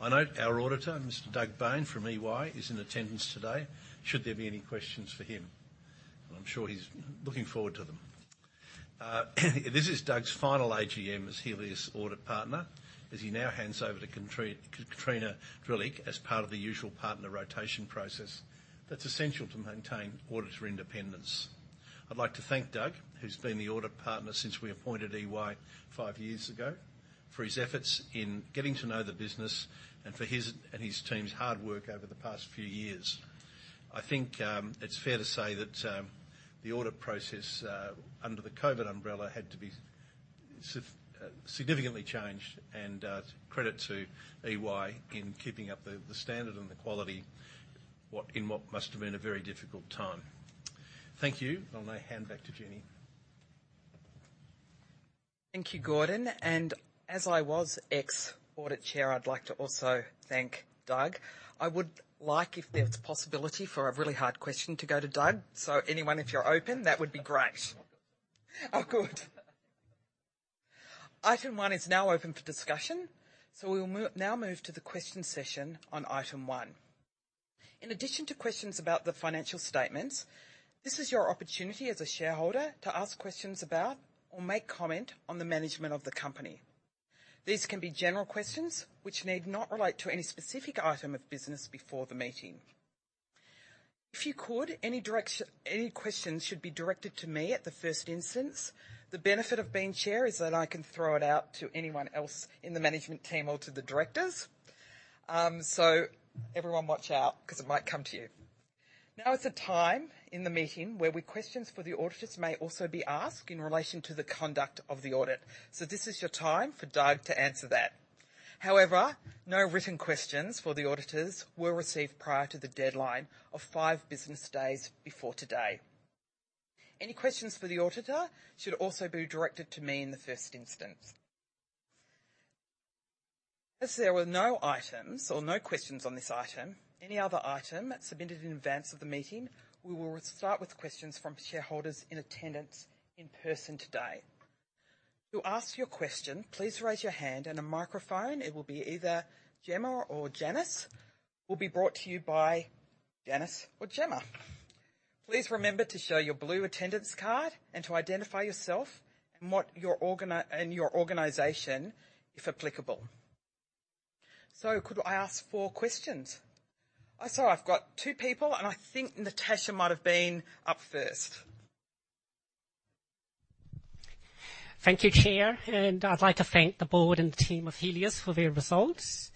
I note our auditor, Mr. Doug Bain from EY is in attendance today should there be any questions for him. I'm sure he's looking forward to them. This is Doug's final AGM as Healius audit partner, as he now hands over to Katrina Zrilic as part of the usual partner rotation process that's essential to maintain auditor independence. I'd like to thank Doug, who's been the audit partner since we appointed EY five years ago, for his efforts in getting to know the business and for his and his team's hard work over the past few years. I think it's fair to say that the audit process under the COVID umbrella had to be significantly changed, and credit to EY in keeping up the standard and the quality in what must have been a very difficult time. Thank you. I'll now hand back to Jenny. Thank you, Gordon. As I was ex-audit chair, I'd like to also thank Doug. I would like, if there's a possibility for a really hard question, to go to Doug. Anyone, if you're open, that would be great. Oh, good. Item one is now open for discussion. We'll now move to the question session on item one. In addition to questions about the financial statements, this is your opportunity as a shareholder to ask questions about or make comment on the management of the company. These can be general questions which need not relate to any specific item of business before the meeting. If you could, any questions should be directed to me at the first instance. The benefit of being chair is that I can throw it out to anyone else in the management team or to the directors. Everyone watch out because it might come to you. Now is the time in the meeting where questions for the auditors may also be asked in relation to the conduct of the audit. This is your time for Doug to answer that. However, no written questions for the auditors were received prior to the deadline of five business days before today. Any questions for the auditor should also be directed to me in the first instance. As there were no items or questions on this item or any other item submitted in advance of the meeting, we will start with questions from shareholders in attendance in person today. To ask your question, please raise your hand and a microphone will be brought to you by either Gemma or Janice. Please remember to show your blue attendance card and to identify yourself and what your organization, if applicable. Could I ask for questions? I saw I've got two people, and I think Natasha might have been up first. Thank you, Chair. I'd like to thank the board and the team of Healius for their results.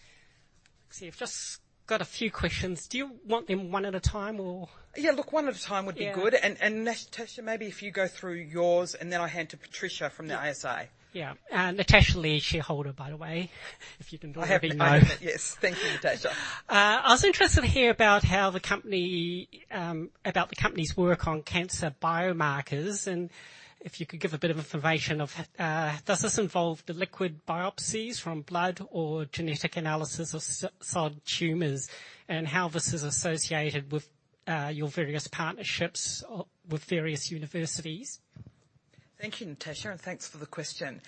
Yeah, I've just got a few questions. Do you want them one at a time or? Yeah, look, one at a time would be good. Yeah. Natasha, maybe if you go through yours, and then I'll hand to Patricia from the ASA. Yeah. Natasha Lee, shareholder, by the way, if you didn't already know. I know. Yes. Thank you, Natasha. I was interested to hear about the company's work on cancer biomarkers, and if you could give a bit of information of does this involve the liquid biopsies from blood or genetic analysis of solid tumors and how this is associated with your various partnerships or with various universities? Thank you, Natasha, and thanks for the question.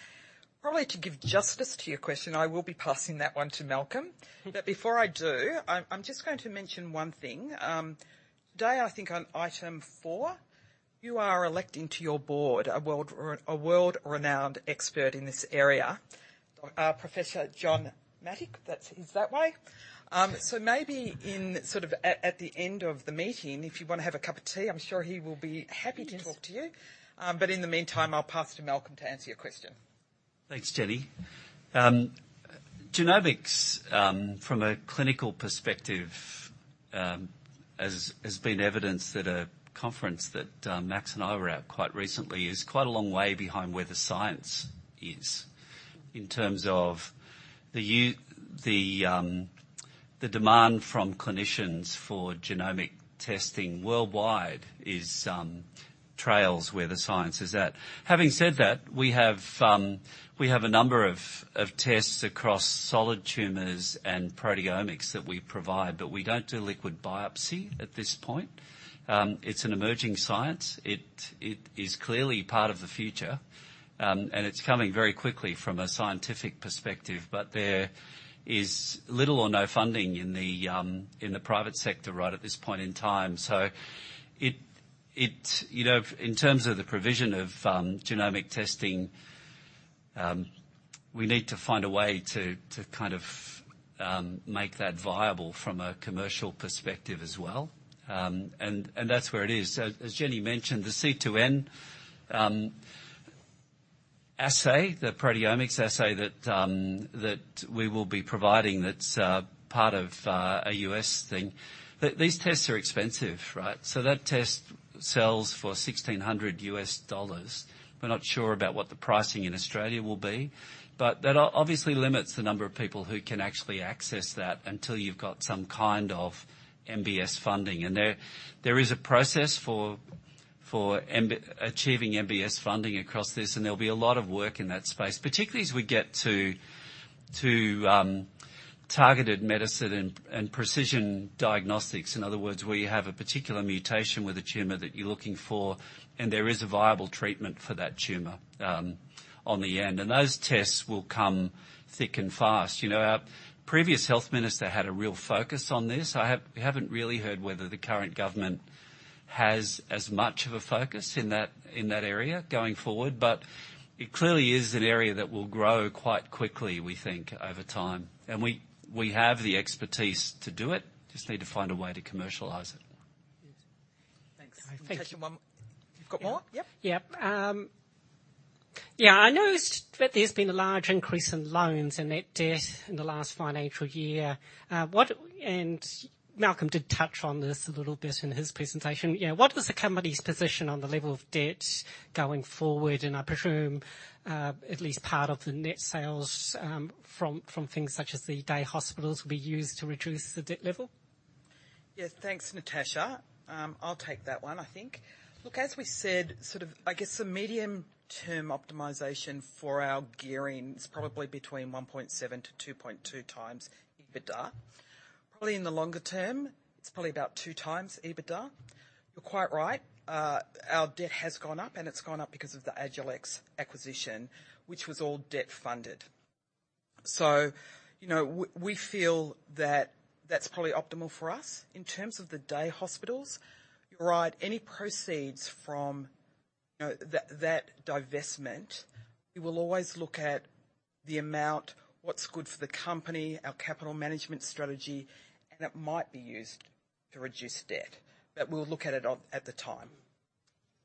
Probably to give justice to your question, I will be passing that one to Malcolm. Before I do, I'm just going to mention one thing. Today, I think on item four, you are electing to your board a world-renowned expert in this area, Professor John Mattick. That's. He's that way. So maybe at the end of the meeting, if you wanna have a cup of tea, I'm sure he will be happy to talk to you. In the meantime, I'll pass to Malcolm to answer your question. Thanks, Jenny. Genomics from a clinical perspective has been evidenced at a conference that Max and I were at quite recently is quite a long way behind where the science is in terms of the demand from clinicians for genomic testing worldwide trails where the science is at. Having said that, we have a number of tests across solid tumors and proteomics that we provide, but we don't do liquid biopsy at this point. It's an emerging science. It is clearly part of the future, and it's coming very quickly from a scientific perspective, but there is little or no funding in the private sector right at this point in time. You know, in terms of the provision of genomic testing, we need to find a way to kind of make that viable from a commercial perspective as well. And that's where it is. As Jenny mentioned, the C2N assay, the proteomics assay that we will be providing that's part of a U.S. thing, these tests are expensive, right? That test sells for $1,600. We're not sure about what the pricing in Australia will be, but that obviously limits the number of people who can actually access that until you've got some kind of MBS funding. There is a process for achieving MBS funding across this, and there'll be a lot of work in that space, particularly as we get to targeted medicine and precision diagnostics. In other words, where you have a particular mutation with a tumor that you're looking for, and there is a viable treatment for that tumor, on the end. Those tests will come thick and fast. You know, our previous health minister had a real focus on this. We haven't really heard whether the current government has as much of a focus in that area going forward, but it clearly is an area that will grow quite quickly, we think, over time. We have the expertise to do it. Just need to find a way to commercialize it. Yes. Thanks. Thank you. Natasha, you've got more? Yep. Yeah, I noticed that there's been a large increase in loans and net debt in the last financial year. Malcolm did touch on this a little bit in his presentation. What is the company's position on the level of debt going forward? I presume at least part of the net sales from things such as the day hospitals will be used to reduce the debt level. Yes. Thanks, Natasha. I'll take that one, I think. Look, as we said, sort of, I guess the medium-term optimization for our gearing is probably between 1.7x-2.2x EBITDA. Probably in the longer term, it's probably about 2x EBITDA. You're quite right, our debt has gone up, and it's gone up because of the Agilex acquisition, which was all debt funded. You know, we feel that that's probably optimal for us. In terms of the day hospitals, you're right. Any proceeds from, you know, that divestment, we will always look at the amount, what's good for the company, our capital management strategy, and it might be used to reduce debt. We'll look at it at the time.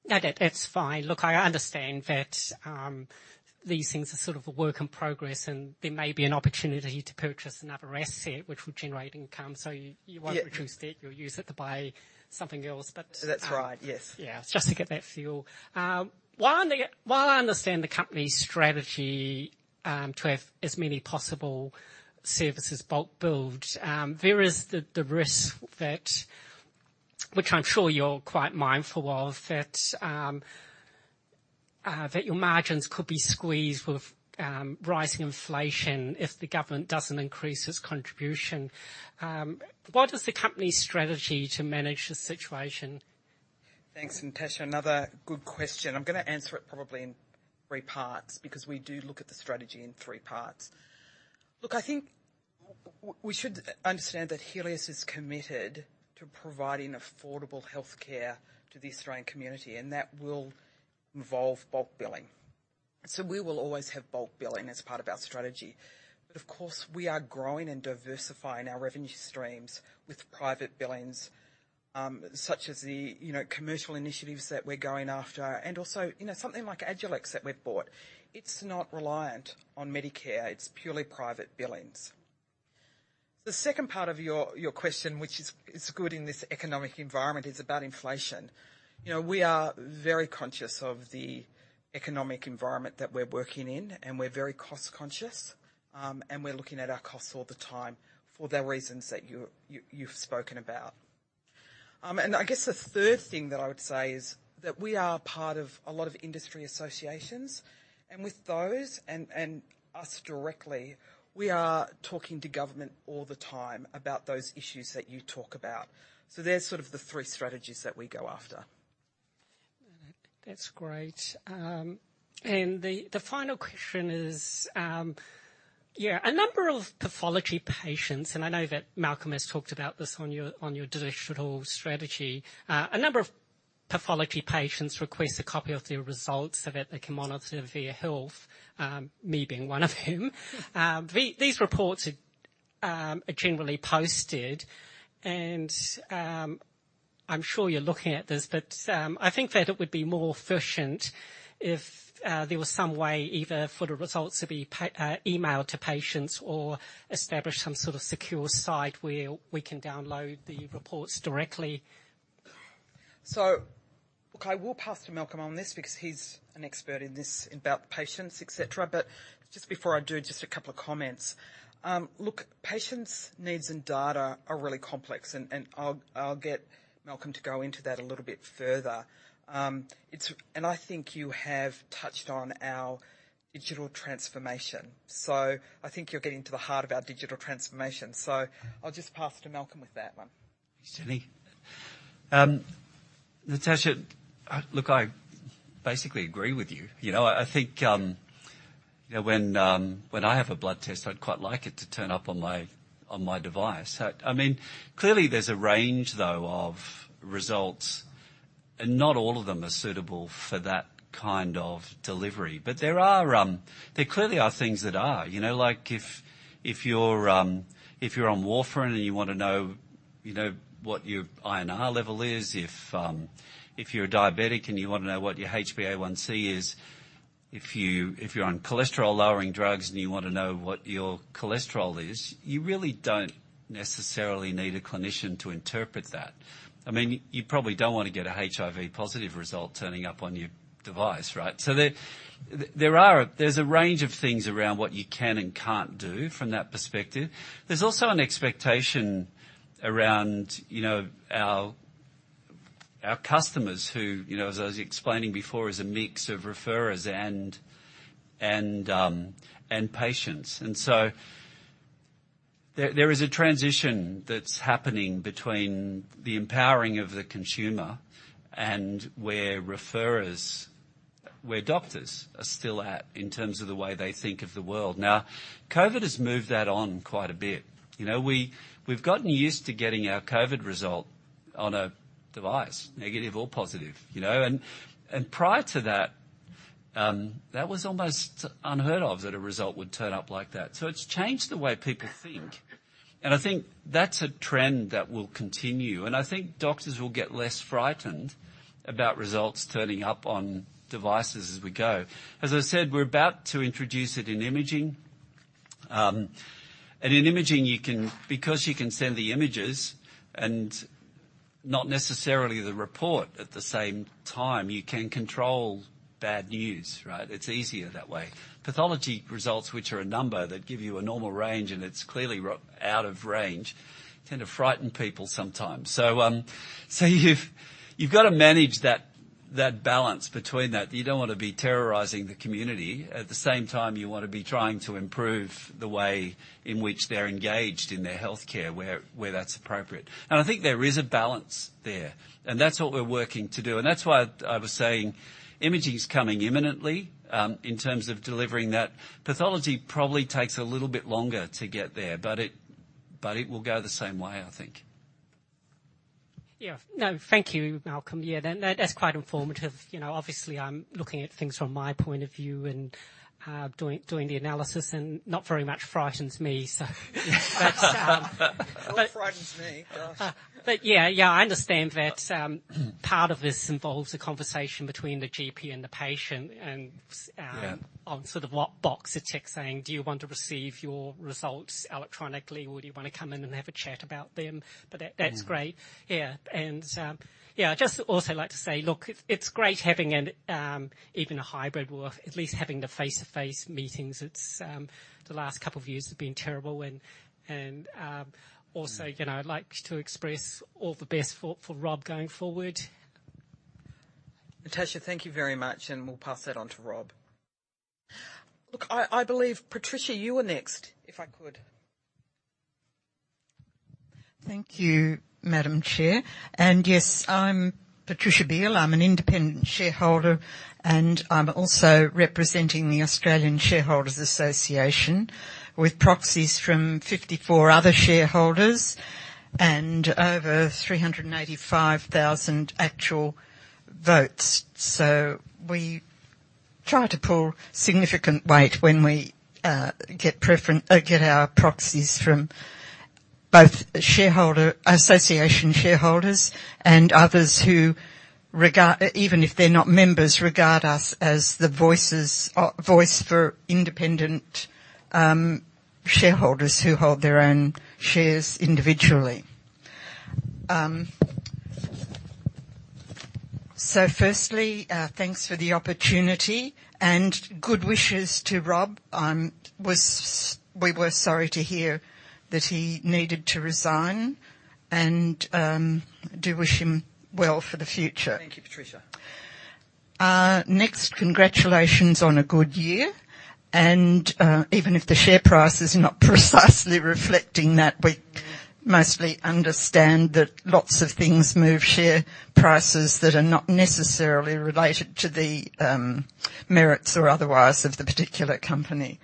No, that's fine. Look, I understand that, these things are sort of a work in progress, and there may be an opportunity to purchase another asset which will generate income. So you- Yeah. won't reduce debt. You'll use it to buy something else. That's right. Yes. Yeah. Just to get that feel. While I understand the company's strategy to have as many possible services bulk billed, there is the risk that, which I'm sure you're quite mindful of, that your margins could be squeezed with rising inflation if the government doesn't increase its contribution. What is the company's strategy to manage the situation? Thanks, Natasha. Another good question. I'm gonna answer it probably in three parts because we do look at the strategy in three parts. Look, I think we should understand that Healius is committed to providing affordable healthcare to the Australian community, and that will involve bulk billing. We will always have bulk billing as part of our strategy. Of course, we are growing and diversifying our revenue streams with private billings, such as the, you know, commercial initiatives that we're going after. Also, you know, something like Agilex that we've bought. It's not reliant on Medicare. It's purely private billings. The second part of your question, which is good in this economic environment, is about inflation. You know, we are very conscious of the economic environment that we're working in, and we're very cost conscious, and we're looking at our costs all the time for the reasons that you've spoken about. I guess the third thing that I would say is that we are part of a lot of industry associations, and with those and us directly, we are talking to government all the time about those issues that you talk about. They're sort of the three strategies that we go after. That's great. The final question is, yeah. A number of pathology patients, and I know that Malcolm has talked about this on your digital strategy. A number of pathology patients request a copy of their results so that they can monitor their health, me being one of them. These reports are generally posted, and I'm sure you're looking at this, but I think that it would be more efficient if there was some way either for the results to be emailed to patients or establish some sort of secure site where we can download the reports directly. Look, I will pass to Malcolm on this because he's an expert in this about patients, etc. Just before I do, just a couple of comments. Patients' needs and data are really complex, and I'll get Malcolm to go into that a little bit further. I think you have touched on our digital transformation, so I think you're getting to the heart of our digital transformation. I'll just pass to Malcolm with that one. Thanks, Jenny. Natasha, look, I basically agree with you. You know, I think, you know, when I have a blood test, I'd quite like it to turn up on my, on my device. I mean, clearly there's a range, though, of results, and not all of them are suitable for that kind of delivery. There are, there clearly are things that are. You know, like, if you're on warfarin and you wanna know, you know, what your INR level is, if you're a diabetic and you wanna know what your HbA1c is, if you're on cholesterol-lowering drugs and you wanna know what your cholesterol is, you really don't necessarily need a clinician to interpret that. I mean, you probably don't wanna get a HIV positive result turning up on your device, right? There are a range of things around what you can and can't do from that perspective. There's also an expectation around, you know, our customers who, you know, as I was explaining before, is a mix of referrers and patients. There is a transition that's happening between the empowering of the consumer and where referrers, doctors are still at in terms of the way they think of the world. Now, COVID has moved that on quite a bit. You know, we've gotten used to getting our COVID result on a device, negative or positive, you know? Prior to that was almost unheard of, that a result would turn up like that. It's changed the way people think, and I think that's a trend that will continue. I think doctors will get less frightened about results turning up on devices as we go. As I said, we're about to introduce it in imaging, and in imaging, you can, because you can send the images and not necessarily the report at the same time, you can control bad news, right? It's easier that way. Pathology results, which are a number that give you a normal range, and it's clearly way out of range, tend to frighten people sometimes. You've got to manage that balance between that. You don't want to be terrorizing the community. At the same time, you want to be trying to improve the way in which they're engaged in their healthcare, where that's appropriate. I think there is a balance there, and that's what we're working to do. That's why I was saying imaging's coming imminently, in terms of delivering that. Pathology probably takes a little bit longer to get there. It will go the same way, I think. Yeah. No, thank you, Malcolm. Yeah, that's quite informative. You know, obviously I'm looking at things from my point of view and doing the analysis, and not very much frightens me, so. It frightens me, but. Yeah, I understand that part of this involves a conversation between the GP and the patient. Yeah On sort of what box to tick, saying, "Do you want to receive your results electronically, or do you wanna come in and have a chat about them?" That, that's great. Yeah. Yeah, I'd just also like to say, look, it's great having an even a hybrid or at least having the face-to-face meetings. It's, the last couple of years have been terrible and also, you know, I'd like to express all the best for Rob going forward. Natasha, thank you very much, and we'll pass that on to Rob. Look, I believe, Patricia, you were next, if I could. Thank you, Madam Chair. Yes, I'm Patricia Beal. I'm an independent shareholder, and I'm also representing the Australian Shareholders' Association with proxies from 54 other shareholders and over 385,000 actual votes. We try to pull significant weight when we get our proxies from both shareholder association shareholders and others who regard even if they're not members, regard us as the voices, or voice for independent shareholders who hold their own shares individually. Firstly, thanks for the opportunity and good wishes to Rob. We were sorry to hear that he needed to resign and do wish him well for the future. Thank you, Patricia. Next, congratulations on a good year, and even if the share price is not precisely reflecting that, we mostly understand that lots of things move share prices that are not necessarily related to the merits or otherwise of the particular company.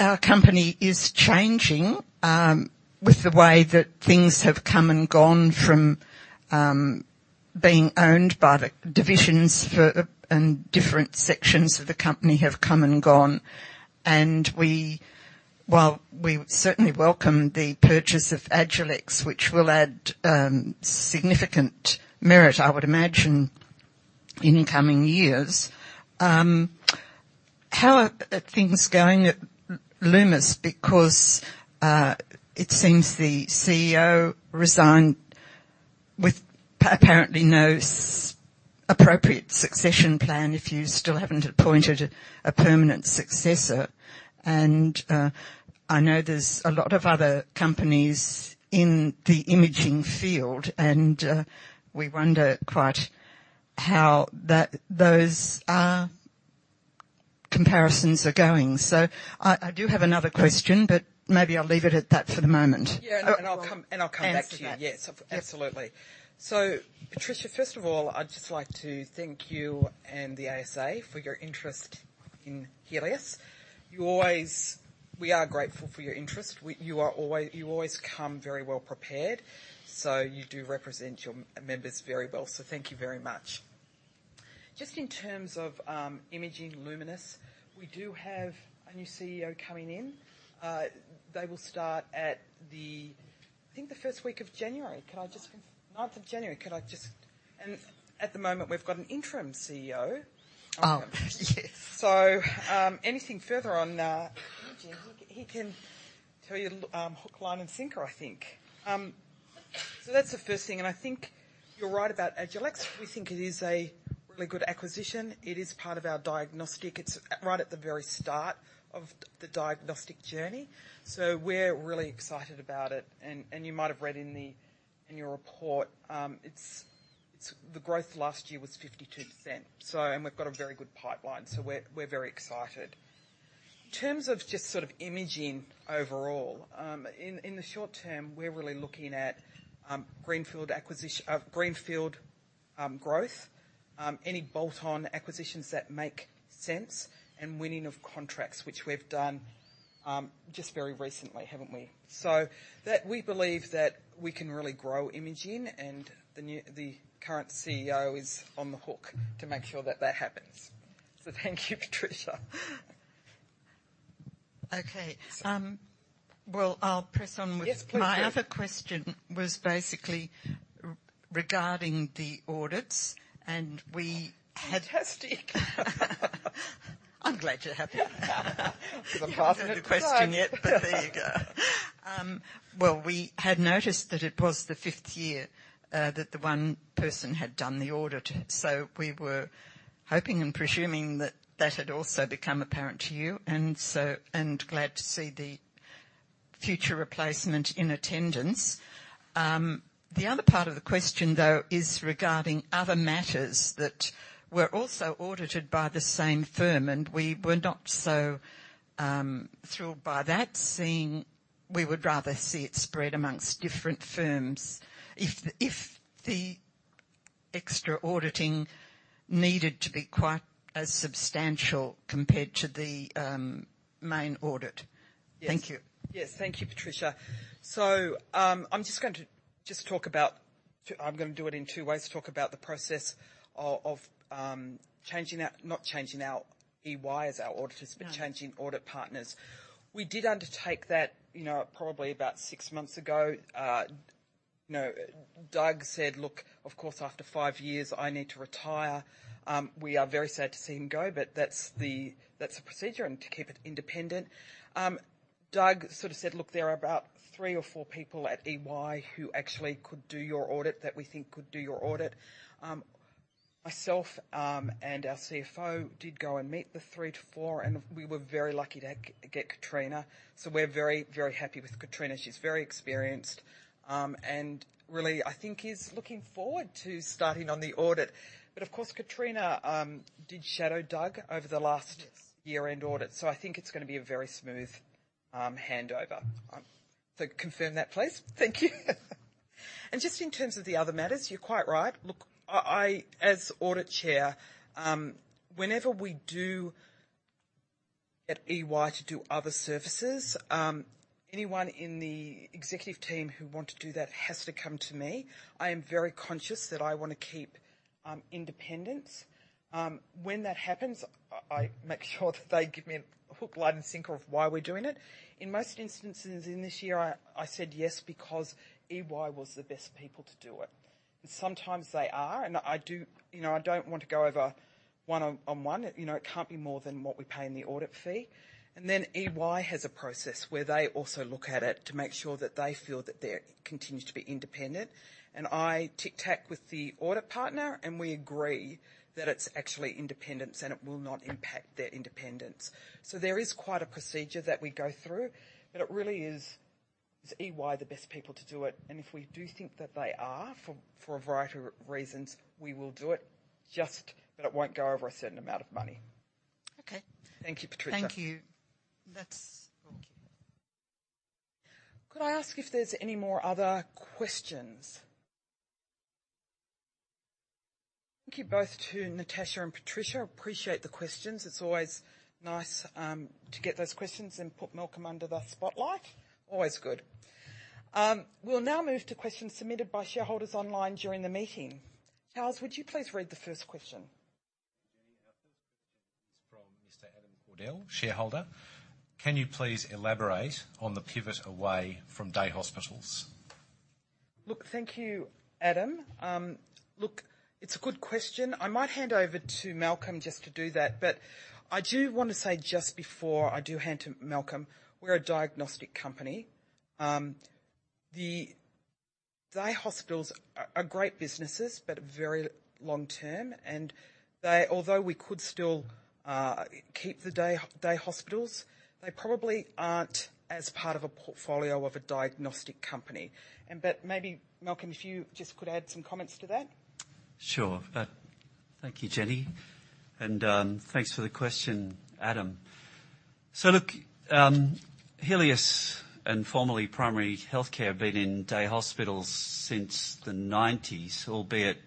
Our company is changing with the way that things have come and gone from being owned by the divisions for, and different sections of the company have come and gone. While we certainly welcome the purchase of Agilex, which will add significant merit, I would imagine, in coming years, how are things going at Lumus? Because it seems the CEO resigned with apparently no appropriate succession plan, if you still haven't appointed a permanent successor. I know there's a lot of other companies in the imaging field, and we wonder quite how those comparisons are going. I do have another question, but maybe I'll leave it at that for the moment. Yeah. I'll come back to you. To that. Yes, absolutely. Patricia, first of all, I'd just like to thank you and the ASA for your interest in Healius. We are grateful for your interest. You always come very well prepared, so you do represent your members very well. Thank you very much. Just in terms of imaging, Lumus, we do have a new CEO coming in. They will start at the, I think the first week of January. Can I just con- Ninth. Ninth of January. At the moment, we've got an interim CEO. Oh, yes. Anything further on imaging, he can tell you hook, line, and sinker, I think. That's the first thing. I think you're right about Agilex. We think it is a really good acquisition. It is part of our diagnostic. It's right at the very start of the diagnostic journey, so we're really excited about it. And you might have read in your report, it's the growth last year was 52%. We've got a very good pipeline, so we're very excited. In terms of just sort of imaging overall, in the short term, we're really looking at greenfield growth, any bolt-on acquisitions that make sense, and winning of contracts, which we've done just very recently, haven't we? that we believe that we can really grow imaging and the current CEO is on the hook to make sure that that happens. Thank you, Patricia. Okay. Well, I'll press on with. Yes, please do. My other question was basically regarding the audits, and we had. Fantastic. I'm glad you're happy. Because I'm part of it, right? Haven't asked the question yet, but there you go. Well, we had noticed that it was the fifth year that the one person had done the audit, so we were hoping and presuming that that had also become apparent to you, and glad to see the future replacement in attendance. The other part of the question though is regarding other matters that were also audited by the same firm, and we were not so thrilled by that, seeing we would rather see it spread amongst different firms if the extra auditing needed to be quite as substantial compared to the main audit. Yes. Thank you. Yes. Thank you, Patricia. I'm just going to just talk about. I'm gonna do it in two ways, talk about the process of changing out not EY as our auditors. No… changing audit partners. We did undertake that, you know, probably about six months ago. You know, Doug said, "Look, of course, after five years I need to retire." We are very sad to see him go, but that's the procedure and to keep it independent. Doug sort of said, "Look, there are about three or four people at EY who actually could do your audit, that we think could do your audit." Myself and our CFO did go and meet the three to four, and we were very lucky to get Katrina. We're very, very happy with Katrina. She's very experienced and really, I think is looking forward to starting on the audit. Of course, Katrina did shadow Doug over the last- Yes Year-end audit, so I think it's gonna be a very smooth handover. Confirm that, please. Thank you. Just in terms of the other matters, you're quite right. Look, I as audit chair, whenever we do get EY to do other services, anyone in the executive team who want to do that has to come to me. I am very conscious that I wanna keep independence. When that happens, I make sure that they give me a hook, line and sinker of why we're doing it. In most instances in this year, I said yes because EY was the best people to do it. Sometimes they are, and I do. You know, I don't want to go over one on one. You know, it can't be more than what we pay in the audit fee. EY has a process where they also look at it to make sure that they feel that they continue to be independent. I tic-tac with the audit partner, and we agree that it's actually independence, and it will not impact their independence. There is quite a procedure that we go through, but it really is EY the best people to do it. If we do think that they are, for a variety of reasons, we will do it, just that it won't go over a certain amount of money. Okay. Thank you, Patricia. Thank you. That's. Thank you. Could I ask if there's any more other questions? Thank you both to Natasha and Patricia. Appreciate the questions. It's always nice to get those questions and put Malcolm under the spotlight. Always good. We'll now move to questions submitted by shareholders online during the meeting. Charles, would you please read the first question? Jenny, our first question is from Mr. Adam Cordell, shareholder. Can you please elaborate on the pivot away from day hospitals? Look, thank you, Adam. Look, it's a good question. I might hand over to Malcolm just to do that. I do wanna say just before I do hand to Malcolm, we're a diagnostic company. The day hospitals are great businesses but very long-term. They, although we could still keep the day hospitals, they probably aren't a part of a portfolio of a diagnostic company. But maybe, Malcolm, if you just could add some comments to that. Sure. Thank you, Jenny. Thanks for the question, Adam. Look, Healius and formerly Primary Health Care have been in day hospitals since the nineties, albeit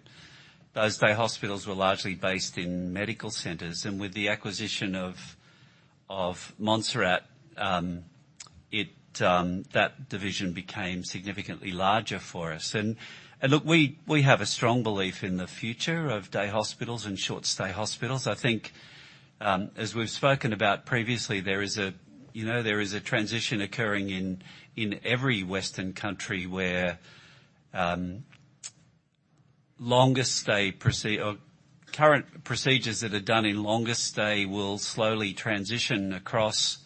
those day hospitals were largely based in medical centers. With the acquisition of Montserrat, it, that division became significantly larger for us. Look, we have a strong belief in the future of day hospitals and short stay hospitals. I think, as we've spoken about previously, there is a, you know, there is a transition occurring in every Western country where longer stay or current procedures that are done in longer stay will slowly transition across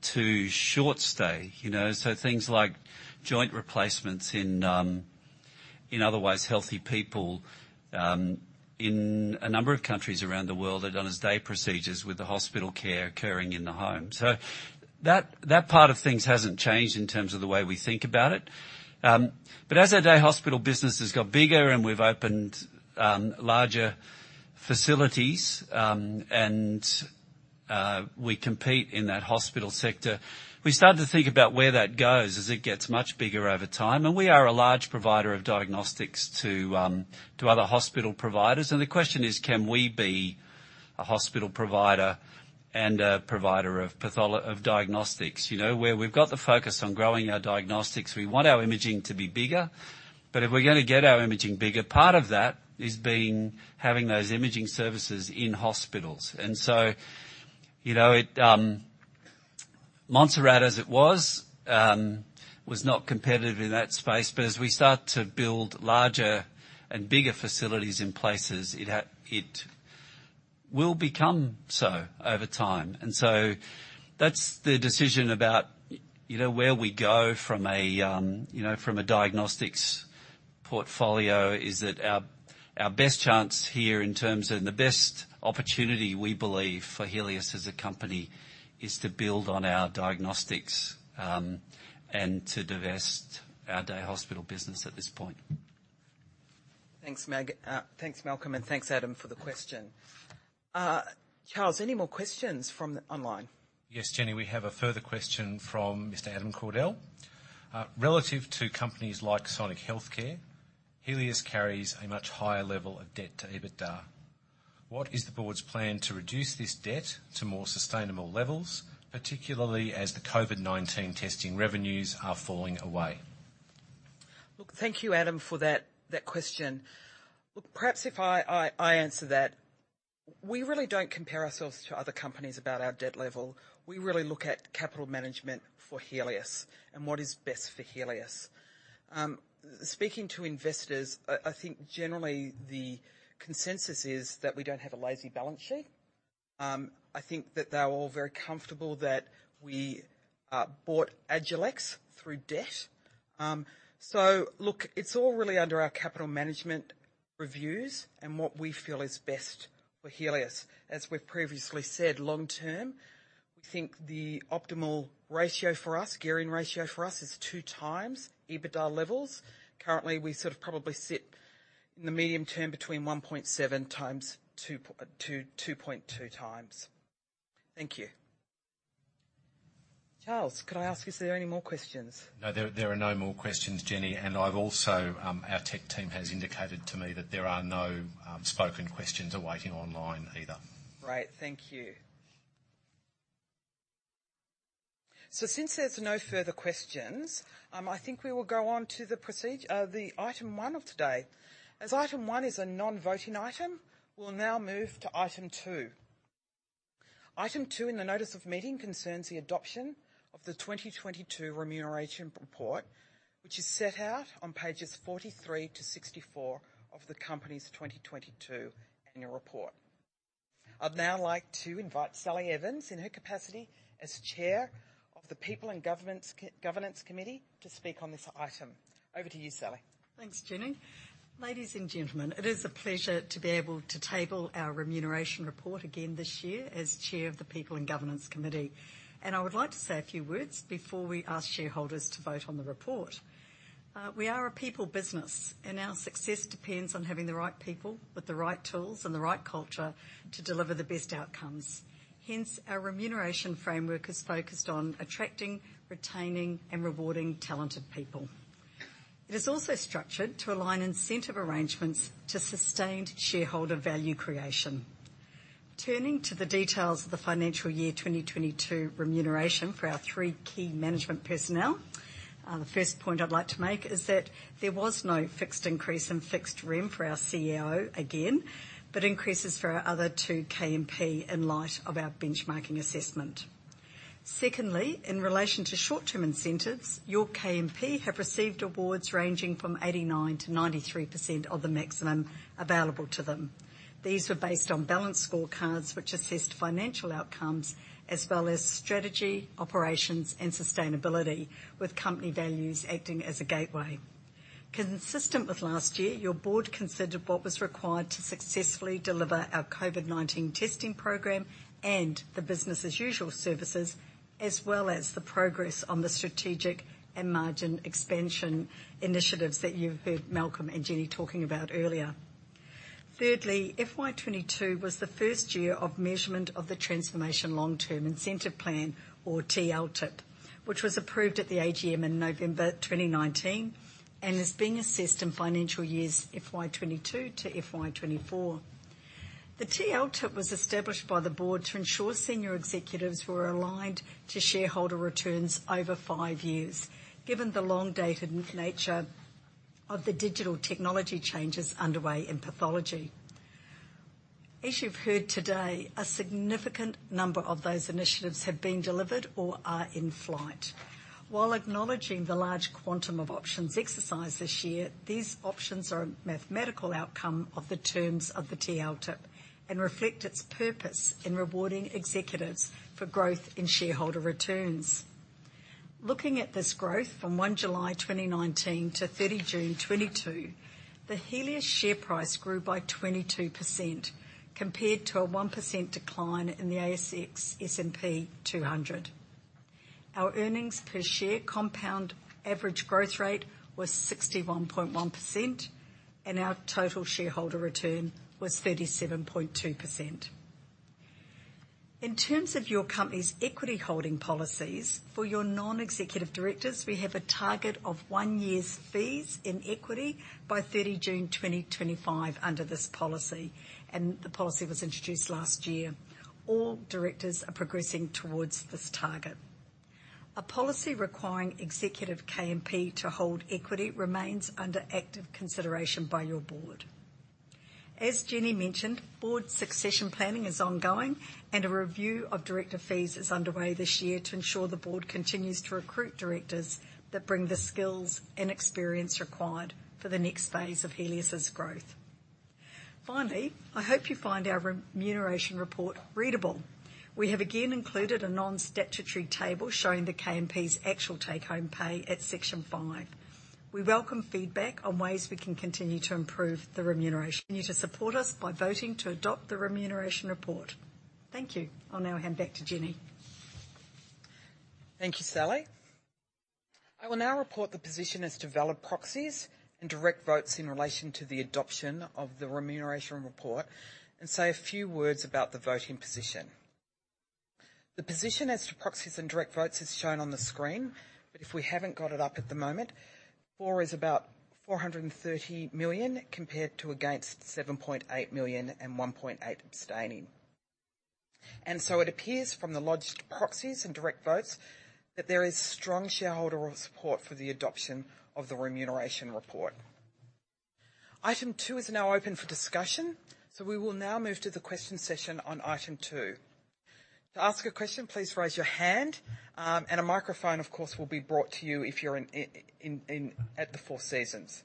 to short stay. You know? Things like joint replacements in in otherwise healthy people in a number of countries around the world are done as day procedures with the hospital care occurring in the home. That part of things hasn't changed in terms of the way we think about it. As our day hospital business has got bigger and we've opened larger facilities and we compete in that hospital sector, we started to think about where that goes as it gets much bigger over time. We are a large provider of diagnostics to other hospital providers. The question is, can we be a hospital provider and a provider of diagnostics? You know, where we've got the focus on growing our diagnostics, we want our imaging to be bigger. If we're gonna get our imaging bigger, part of that is being, having those imaging services in hospitals. Montserrat, as it was not competitive in that space. As we start to build larger and bigger facilities in places, it will become so over time. That's the decision about where we go from a diagnostics portfolio, is that our best chance here in terms of the best opportunity, we believe for Healius as a company, is to build on our diagnostics and to divest our day hospital business at this point. Thanks, Malc. Thanks, Malcolm, and thanks, Adam, for the question. Charles, any more questions from online? Yes, Jenny, we have a further question from Mr. Adam Cordell. Relative to companies like Sonic Healthcare, Healius carries a much higher level of debt to EBITDA. What is the board's plan to reduce this debt to more sustainable levels, particularly as the COVID-19 testing revenues are falling away? Look, thank you, Adam, for that question. Look, perhaps if I answer that. We really don't compare ourselves to other companies about our debt level. We really look at capital management for Healius and what is best for Healius. Speaking to investors, I think generally the consensus is that we don't have a lazy balance sheet. I think that they're all very comfortable that we bought Agilex through debt. Look, it's all really under our capital management reviews and what we feel is best for Healius. As we've previously said, long term, we think the optimal ratio for us, gearing ratio for us, is 2x EBITDA levels. Currently, we sort of probably sit in the medium term between 1.7x-2.2x. Thank you. Charles, could I ask you, is there any more questions? No, there are no more questions, Jenny. I've also, our tech team has indicated to me that there are no spoken questions awaiting online either. Great. Thank you. Since there's no further questions, I think we will go on to the item one of today. As item one is a non-voting item, we'll now move to item two. Item two in the notice of meeting concerns the adoption of the 2022 Remuneration Report, which is set out on pages 43-64 of the company's 2022 annual report. I'd now like to invite Sally Evans in her capacity as Chair of the People and Governance Committee to speak on this item. Over to you, Sally. Thanks, Jenny. Ladies and gentlemen, it is a pleasure to be able to table our Remuneration Report again this year as Chair of the People and Governance Committee. I would like to say a few words before we ask shareholders to vote on the report. We are a people business, and our success depends on having the right people with the right tools and the right culture to deliver the best outcomes. Hence, our remuneration framework is focused on attracting, retaining, and rewarding talented people. It is also structured to align incentive arrangements to sustained shareholder value creation. Turning to the details of the financial year 2022 remuneration for our three key management personnel, the first point I'd like to make is that there was no fixed increase in fixed rem for our CEO again, but increases for our other two KMP in light of our benchmarking assessment. Secondly, in relation to short-term incentives, your KMP have received awards ranging from 89%-93% of the maximum available to them. These were based on balanced scorecards, which assessed financial outcomes as well as strategy, operations, and sustainability, with company values acting as a gateway. Consistent with last year, your board considered what was required to successfully deliver our COVID-19 testing program and the business as usual services, as well as the progress on the strategic and margin expansion initiatives that you've heard Malcolm and Jenny talking about earlier. Thirdly, FY 2022 was the first year of measurement of the Transformation Long-Term Incentive Plan or TLTIP, which was approved at the AGM in November 2019 and is being assessed in financial years FY 2022-FY 2024. The TLTIP was established by the board to ensure senior executives were aligned to shareholder returns over five years, given the long-dated nature of the digital technology changes underway in pathology. As you've heard today, a significant number of those initiatives have been delivered or are in flight. While acknowledging the large quantum of options exercised this year, these options are a mathematical outcome of the terms of the TLTIP and reflect its purpose in rewarding executives for growth in shareholder returns. Looking at this growth from 1 July 2019-30 June 2022, the Healius share price grew by 22% compared to a 1% decline in the S&P/ASX 200. Our earnings per share compound average growth rate was 61.1%, and our total shareholder return was 37.2%. In terms of your company's equity holding policies, for your non-executive directors, we have a target of one year's fees in equity by 30 June 2025 under this policy, and the policy was introduced last year. All directors are progressing towards this target. A policy requiring executive KMP to hold equity remains under active consideration by your board. As Jenny mentioned, board succession planning is ongoing, and a review of director fees is underway this year to ensure the board continues to recruit directors that bring the skills and experience required for the next phase of Healius' growth. Finally, I hope you find our remuneration report readable. We have again included a non-statutory table showing the KMP's actual take-home pay at section five. We welcome feedback on ways we can continue to improve the remuneration. Continue to support us by voting to adopt the remuneration report. Thank you. I'll now hand back to Jenny. Thank you, Sally. I will now report the position as to valid proxies and direct votes in relation to the adoption of the remuneration report and say a few words about the voting position. The position as to proxies and direct votes is shown on the screen, but if we haven't got it up at the moment, for is about 430 million compared to against 7.8 million and 1.8 abstaining. It appears from the lodged proxies and direct votes that there is strong shareholder support for the adoption of the remuneration report. Item two is now open for discussion. We will now move to the question session on item two. To ask a question, please raise your hand, and a microphone, of course, will be brought to you if you're in at the Four Seasons.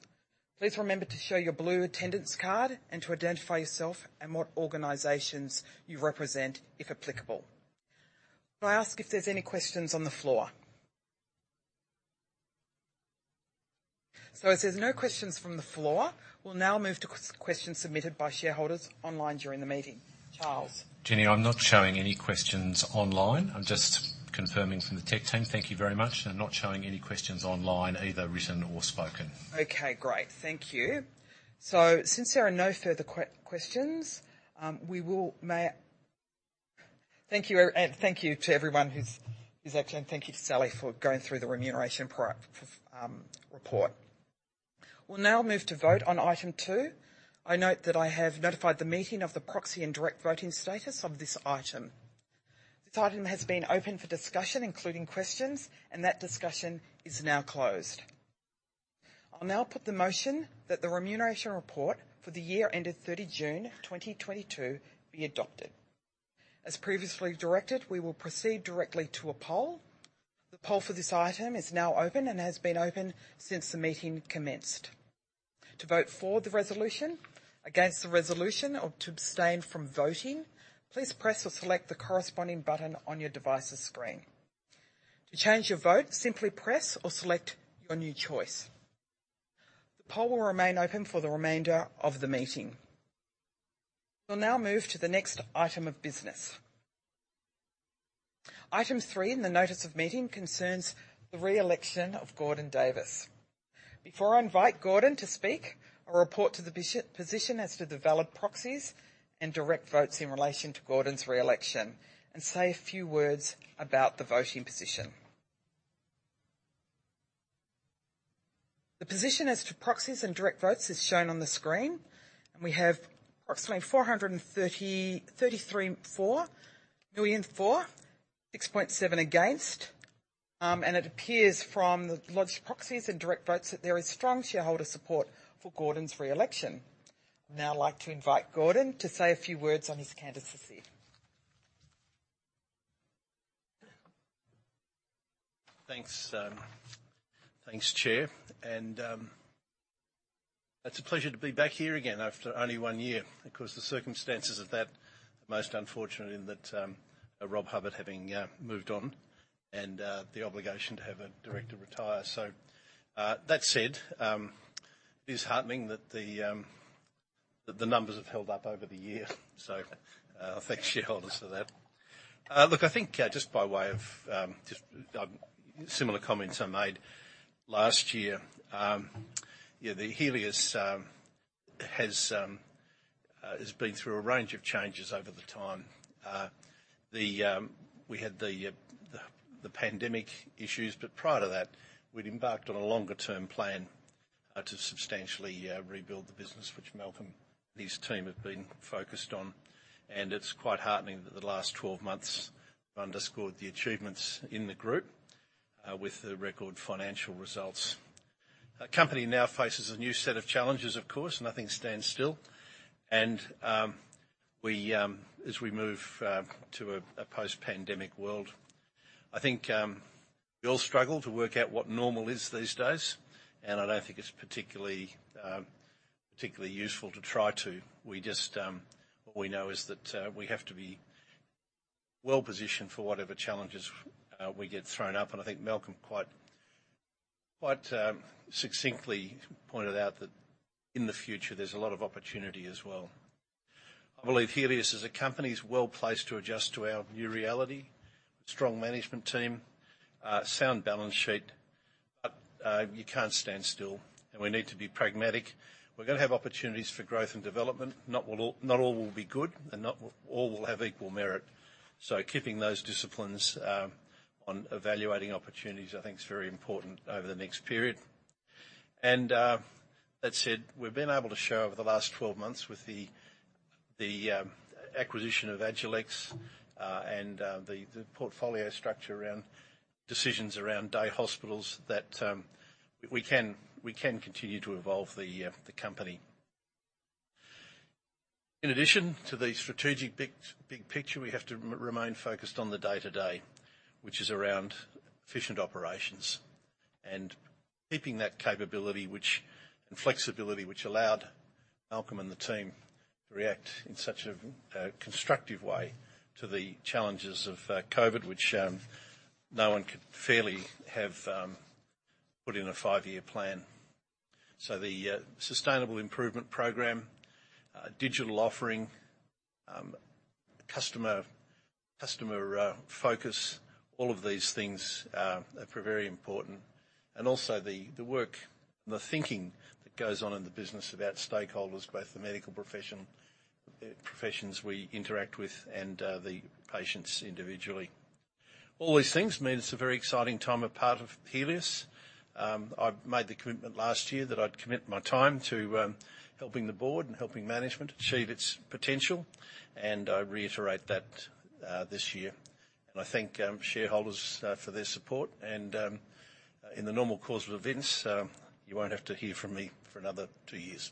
Please remember to show your blue attendance card and to identify yourself and what organizations you represent, if applicable. May I ask if there's any questions on the floor? As there's no questions from the floor, we'll now move to questions submitted by shareholders online during the meeting. Charles? Jenny, I'm not showing any questions online. I'm just confirming from the tech team. Thank you very much. They're not showing any questions online, either written or spoken. Okay, great. Thank you. Since there are no further questions, thank you, and thank you to everyone who's actually. Thank you to Sally for going through the remuneration report. We'll now move to vote on item two. I note that I have notified the meeting of the proxy and direct voting status of this item. This item has been open for discussion, including questions, and that discussion is now closed. I'll now put the motion that the remuneration report for the year ended 30 June 2022 be adopted. As previously directed, we will proceed directly to a poll. The poll for this item is now open and has been open since the meeting commenced. To vote for the resolution, against the resolution, or to abstain from voting, please press or select the corresponding button on your device's screen. To change your vote, simply press or select your new choice. The poll will remain open for the remainder of the meeting. We'll now move to the next item of business. Item three in the notice of meeting concerns the reelection of Gordon Davis. Before I invite Gordon to speak, I'll report the position as to the valid proxies and direct votes in relation to Gordon's reelection and say a few words about the voting position. The position as to proxies and direct votes is shown on the screen, and we have approximately 433 million for, 6.7 against, and it appears from the lodged proxies and direct votes that there is strong shareholder support for Gordon's reelection. I'd now like to invite Gordon to say a few words on his candidacy. Thanks, Chair. It's a pleasure to be back here again after only one year. Of course, the circumstances of that are most unfortunate in that Rob Hubbard having moved on and the obligation to have a director retire. That said, it is heartening that the numbers have held up over the year. I thank shareholders for that. Look, I think just by way of similar comments I made last year, yeah, Healius has been through a range of changes over the time. We had the pandemic issues, but prior to that, we'd embarked on a longer-term plan to substantially rebuild the business, which Malcolm and his team have been focused on. It's quite heartening that the last twelve months underscored the achievements in the group with the record financial results. Our company now faces a new set of challenges, of course. Nothing stands still. As we move to a post-pandemic world. I think we all struggle to work out what normal is these days, and I don't think it's particularly useful to try to. What we know is that we have to be well-positioned for whatever challenges we get thrown up. I think Malcolm quite succinctly pointed out that in the future, there's a lot of opportunity as well. I believe Healius as a company is well-placed to adjust to our new reality. Strong management team, sound balance sheet, but you can't stand still, and we need to be pragmatic. We're gonna have opportunities for growth and development. Not all will be good, and not all will have equal merit. Keeping those disciplines on evaluating opportunities, I think is very important over the next period. That said, we've been able to show over the last 12 months with the acquisition of Agilex, the portfolio structure around decisions around day hospitals that we can continue to evolve the company. In addition to the strategic big picture, we have to remain focused on the day-to-day, which is around efficient operations and keeping that capability and flexibility which allowed Malcolm and the team to react in such a constructive way to the challenges of COVID, which no one could fairly have put in a five-year plan. The sustainable improvement program, digital offering, customer focus, all of these things are very important. Also the work, the thinking that goes on in the business about stakeholders, both the medical profession, professions we interact with and the patients individually. All these things mean it's a very exciting time at part of Healius. I've made the commitment last year that I'd commit my time to helping the board and helping management achieve its potential, and I reiterate that this year. I thank shareholders for their support, and in the normal course of events, you won't have to hear from me for another two years.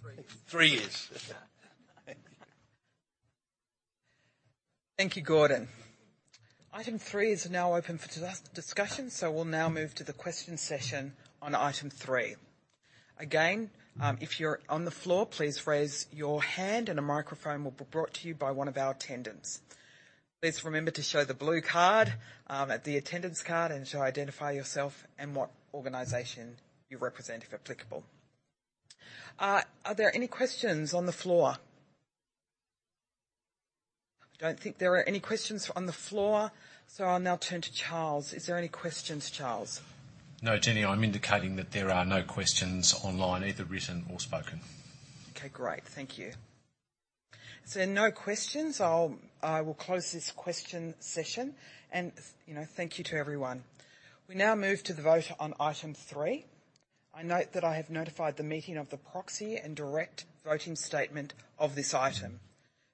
Three. Three years. Thank you, Gordon. Item three is now open for discussion, so we'll now move to the question session on item three. Again, if you're on the floor, please raise your hand and a microphone will be brought to you by one of our attendants. Please remember to show the blue card, the attendance card, and to identify yourself and what organization you represent, if applicable. Are there any questions on the floor? I don't think there are any questions on the floor, so I'll now turn to Charles. Is there any questions, Charles? No, Jenny, I'm indicating that there are no questions online, either written or spoken. Okay, great. Thank you. No questions. I will close this question session. You know, thank you to everyone. We now move to the vote on item three. I note that I have notified the meeting of the proxy and direct voting statement of this item.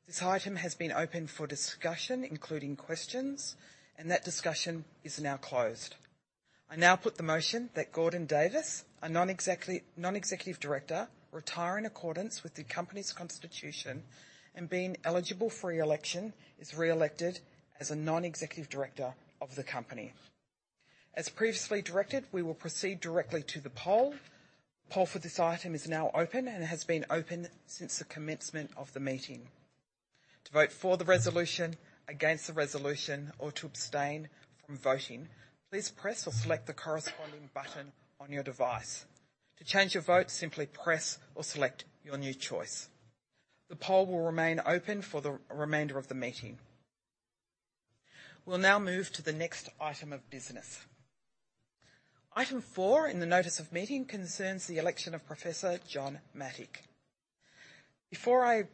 This item has been open for discussion, including questions, and that discussion is now closed. I now put the motion that Gordon Davis, a non-executive director, retire in accordance with the company's constitution, and being eligible for re-election, is re-elected as a non-executive director of the company. As previously directed, we will proceed directly to the poll. The poll for this item is now open and has been open since the commencement of the meeting. To vote for the resolution, against the resolution, or to abstain from voting, please press or select the corresponding button on your device. To change your vote, simply press or select your new choice. The poll will remain open for the remainder of the meeting. We'll now move to the next item of business. Item four in the notice of meeting concerns the election of Professor John Mattick. Before I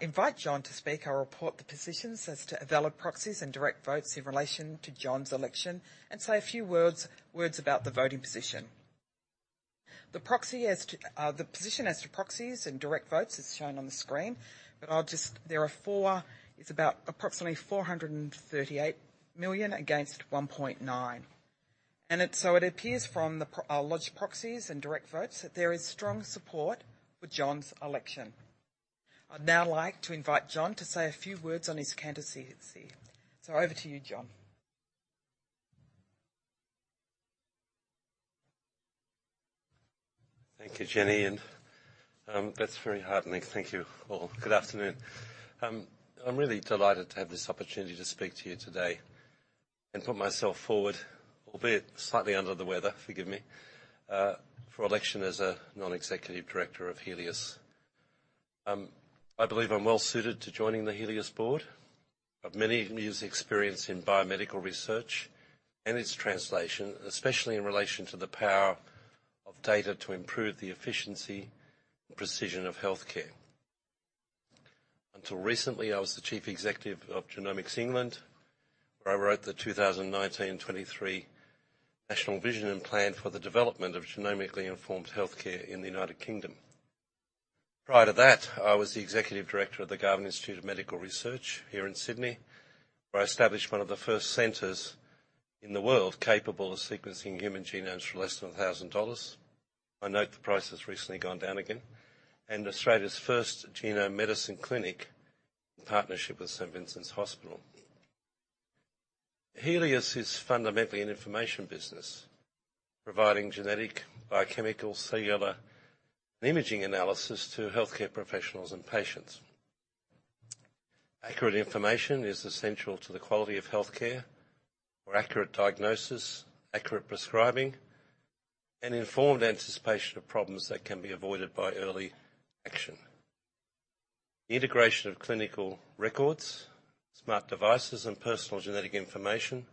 invite John to speak, I'll report the positions as to valid proxies and direct votes in relation to John's election and say a few words about the voting position. The position as to proxies and direct votes is shown on the screen, but I'll just There are four. It's about approximately 438 million against 1.9. It appears from the lodged proxies and direct votes that there is strong support for John's election. I'd now like to invite John to say a few words on his candidacy. Over to you, John. Thank you, Jenny, and that's very heartening. Thank you all. Good afternoon. I'm really delighted to have this opportunity to speak to you today and put myself forward, albeit slightly under the weather, forgive me, for election as a non-executive director of Healius. I believe I'm well-suited to joining the Healius board. I've many years' experience in biomedical research and its translation, especially in relation to the power of data to improve the efficiency and precision of healthcare. Until recently, I was the chief executive of Genomics England, where I wrote the 2019-2023 national vision and plan for the development of genomically informed healthcare in the United Kingdom. Prior to that, I was the executive director of the Garvan Institute of Medical Research here in Sydney, where I established one of the first centers in the world capable of sequencing human genomes for less than 1,000 dollars. I note the price has recently gone down again. Australia's first genome medicine clinic in partnership with St Vincent's Hospital. Healius is fundamentally an information business, providing genetic, biochemical, cellular, and imaging analysis to healthcare professionals and patients. Accurate information is essential to the quality of healthcare for accurate diagnosis, accurate prescribing, and informed anticipation of problems that can be avoided by early action. The integration of clinical records, smart devices, and personal genetic information,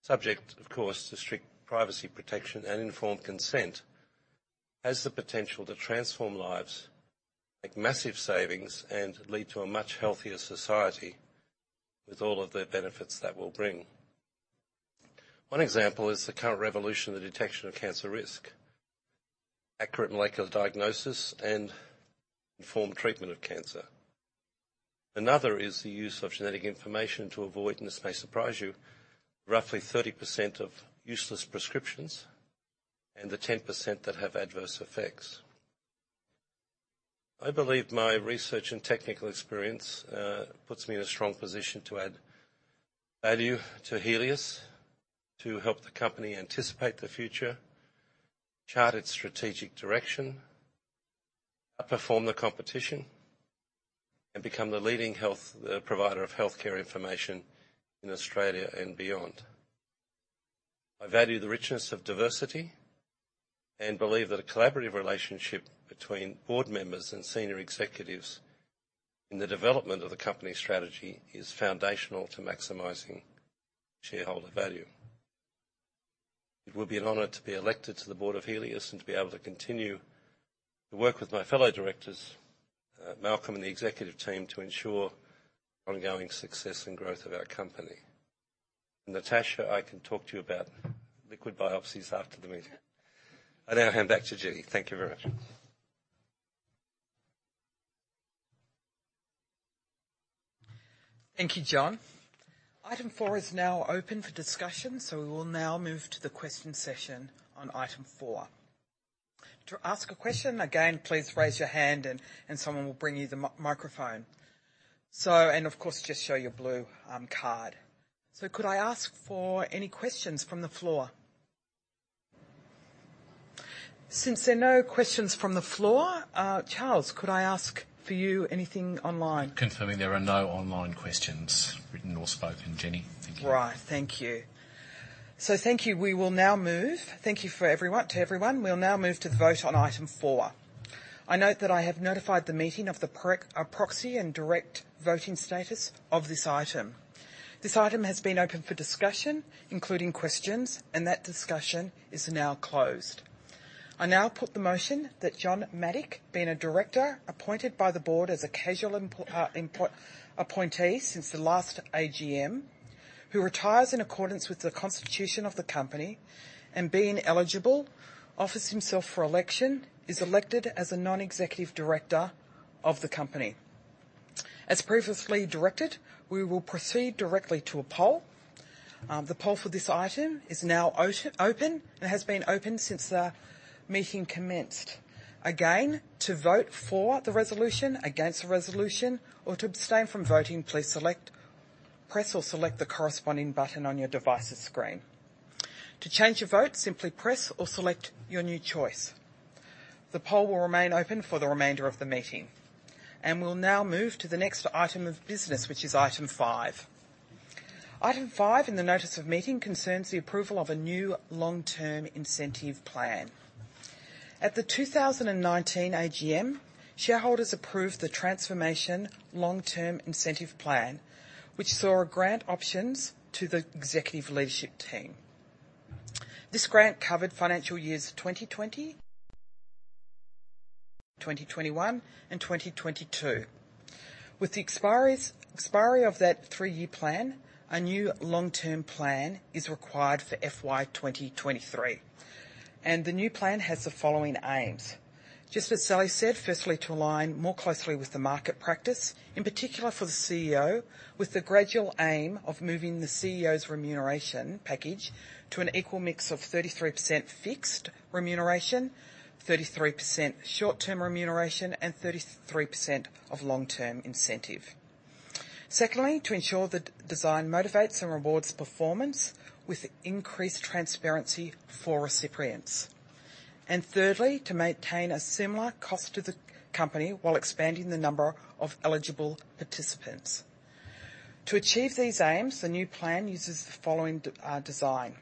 subject, of course, to strict privacy protection and informed consent, has the potential to transform lives, make massive savings, and lead to a much healthier society with all of the benefits that will bring. One example is the current revolution in the detection of cancer risk, accurate molecular diagnosis, and informed treatment of cancer. Another is the use of genetic information to avoid, and this may surprise you, roughly 30% of useless prescriptions and the 10% that have adverse effects. I believe my research and technical experience puts me in a strong position to add value to Healius, to help the company anticipate the future, chart its strategic direction, outperform the competition, and become the leading health provider of healthcare information in Australia and beyond. I value the richness of diversity and believe that a collaborative relationship between board members and senior executives in the development of the company's strategy is foundational to maximizing shareholder value. It would be an honor to be elected to the Board of Healius and to be able to continue to work with my fellow directors, Malcolm and the executive team, to ensure ongoing success and growth of our company. Natasha, I can talk to you about liquid biopsies after the meeting. I now hand back to Jenny. Thank you very much. Thank you, John. Item four is now open for discussion, so we will now move to the question session on item four. To ask a question, again, please raise your hand and someone will bring you the microphone. Of course, just show your blue card. Could I ask for any questions from the floor? Since there are no questions from the floor, Charles, could I ask for you anything online? Confirming there are no online questions, written or spoken, Jenny. Thank you. Right. Thank you. Thank you to everyone. We will now move. We'll now move to the vote on item four. I note that I have notified the meeting of the proxy and direct voting status of this item. This item has been open for discussion, including questions, and that discussion is now closed. I now put the motion that John Mattick, being a director appointed by the board as a casual appointee since the last AGM, who retires in accordance with the constitution of the company and being eligible, offers himself for election, is elected as a non-executive director of the company. As previously directed, we will proceed directly to a poll. The poll for this item is now open. It has been open since the meeting commenced. Again, to vote for the resolution, against the resolution, or to abstain from voting, please select, press or select the corresponding button on your device's screen. To change your vote, simply press or select your new choice. The poll will remain open for the remainder of the meeting. We'll now move to the next item of business, which is item five. Item five in the notice of meeting concerns the approval of a new long-term incentive plan. At the 2019 AGM, shareholders approved the Transformation Long-Term Incentive Plan, which saw grant options to the executive leadership team. This grant covered financial years 2020, 2021 and 2022. With the expiry of that three-year plan, a new long-term plan is required for FY 2023. The new plan has the following aims. Just as Sally said, firstly, to align more closely with the market practice, in particular for the CEO, with the gradual aim of moving the CEO's remuneration package to an equal mix of 33% fixed remuneration, 33% short-term remuneration, and 33% of long-term incentive. Secondly, to ensure the design motivates and rewards performance with increased transparency for recipients. Thirdly, to maintain a similar cost to the company while expanding the number of eligible participants. To achieve these aims, the new plan uses the following design.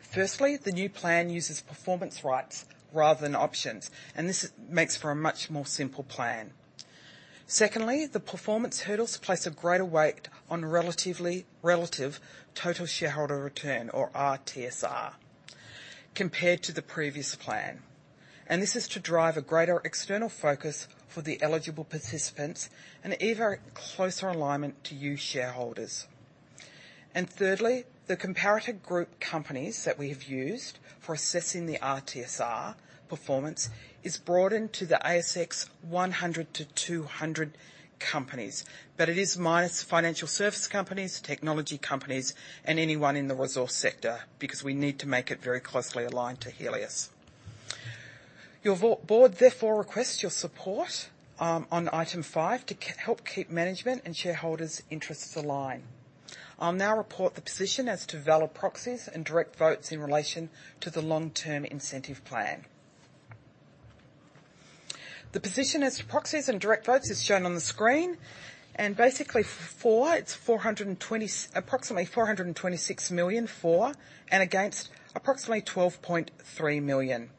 Firstly, the new plan uses performance rights rather than options, and this makes for a much more simple plan. Secondly, the performance hurdles place a greater weight on relative total shareholder return or RTSR, compared to the previous plan. This is to drive a greater external focus for the eligible participants and even closer alignment to you shareholders. Thirdly, the comparative group companies that we have used for assessing the RTSR performance is broadened to the ASX 100-200 companies, but it is minus financial service companies, technology companies, and anyone in the resource sector, because we need to make it very closely aligned to Healius. Your Board therefore requests your support on item five to help keep management and shareholders' interests aligned. I'll now report the position as to valid proxies and direct votes in relation to the long-term incentive plan. The position as to proxies and direct votes is shown on the screen, and basically for, it's approximately 426 million for, and against approximately 12.3 million.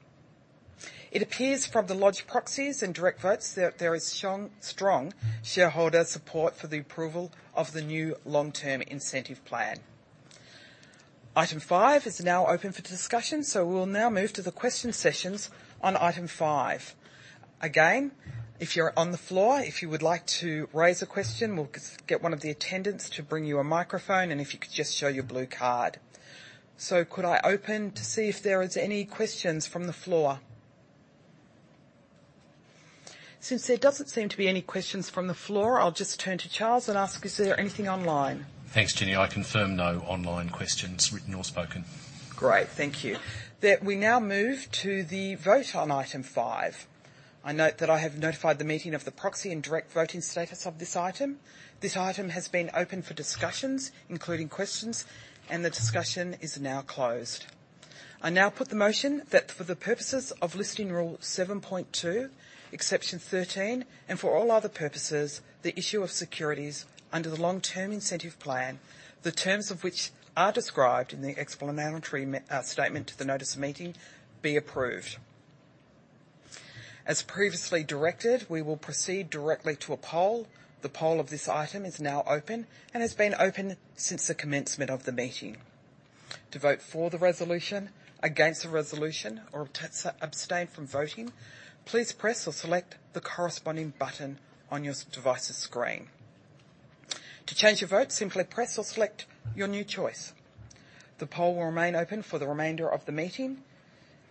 It appears from the lodged proxies and direct votes that there is strong shareholder support for the approval of the new long-term incentive plan. Item five is now open for discussion, so we will now move to the question sessions on item five. Again, if you're on the floor, if you would like to raise a question, we'll get one of the attendants to bring you a microphone, and if you could just show your blue card. Could I open to see if there is any questions from the floor? Since there doesn't seem to be any questions from the floor, I'll just turn to Charles and ask, is there anything online? Thanks, Jenny. I confirm no online questions, written or spoken. Great. Thank you. We now move to the vote on item five. I note that I have notified the meeting of the proxy and direct voting status of this item. This item has been open for discussions, including questions, and the discussion is now closed. I now put the motion that for the purposes of Listing Rule 7.2, exception 13, and for all other purposes, the issue of securities under the long-term incentive plan, the terms of which are described in the explanatory statement to the notice of meeting, be approved. As previously directed, we will proceed directly to a poll. The poll of this item is now open and has been open since the commencement of the meeting. To vote for the resolution, against the resolution, or to abstain from voting, please press or select the corresponding button on your device's screen. To change your vote, simply press or select your new choice. The poll will remain open for the remainder of the meeting,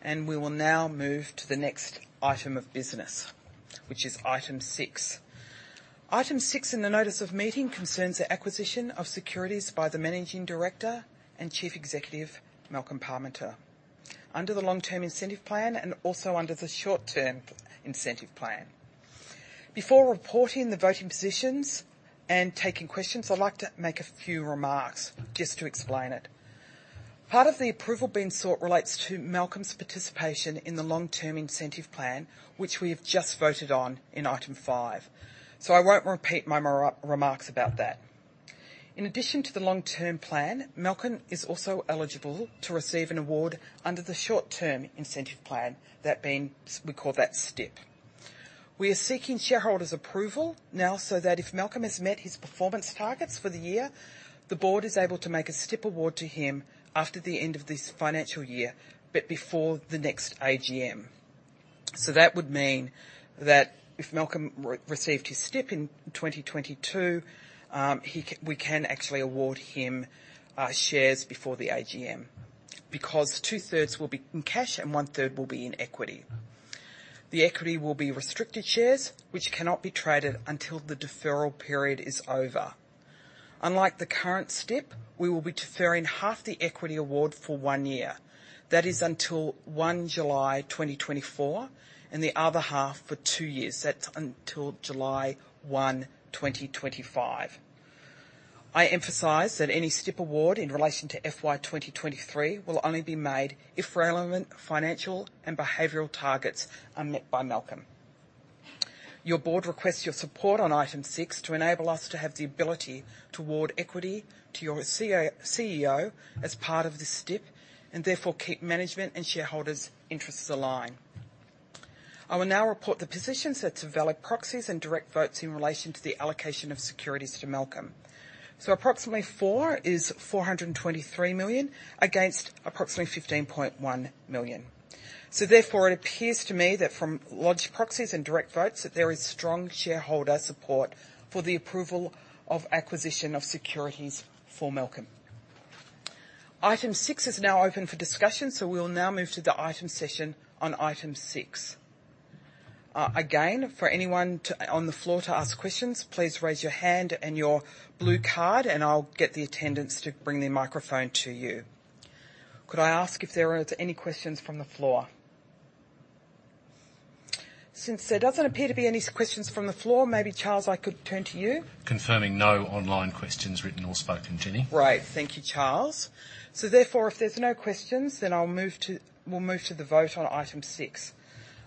and we will now move to the next item of business, which is item six. Item six in the notice of meeting concerns the acquisition of securities by the Managing Director and Chief Executive, Malcolm Parmenter, under the long-term incentive plan and also under the short-term incentive plan. Before reporting the voting positions and taking questions, I'd like to make a few remarks just to explain it. Part of the approval being sought relates to Malcolm's participation in the long-term incentive plan, which we have just voted on in item five. I won't repeat my remarks about that. In addition to the long-term plan, Malcolm is also eligible to receive an award under the short-term incentive plan. That being, we call that STIP. We are seeking shareholders' approval now so that if Malcolm has met his performance targets for the year, the board is able to make a STIP award to him after the end of this financial year but before the next AGM. That would mean that if Malcolm received his STIP in 2022, we can actually award him shares before the AGM because two-thirds will be in cash and one-third will be in equity. The equity will be restricted shares, which cannot be traded until the deferral period is over. Unlike the current STIP, we will be deferring half the equity award for one year. That is until 1 July 2024, and the other half for two years. That's until 1 July 2025. I emphasize that any STIP award in relation to FY 2023 will only be made if relevant financial and behavioral targets are met by Malcolm Parmenter. Your board requests your support on item six to enable us to have the ability to award equity to your CEO as part of this STIP, and therefore keep management and shareholders' interests aligned. I will now report the positions of lodged proxies and direct votes in relation to the allocation of securities to Malcolm Parmenter. Approximately 423 million for against approximately 15.1 million. Therefore, it appears to me that from lodged proxies and direct votes, that there is strong shareholder support for the approval of acquisition of securities for Malcolm Parmenter. Item six is now open for discussion, so we will now move to the discussion session on item six. Again, for anyone to... On the floor to ask questions, please raise your hand and your blue card, and I'll get the attendants to bring the microphone to you. Could I ask if there are any questions from the floor? Since there doesn't appear to be any questions from the floor, maybe, Charles, I could turn to you. Confirming no online questions, written or spoken, Jenny. Great. Thank you, Charles. Therefore, if there's no questions, we'll move to the vote on item six.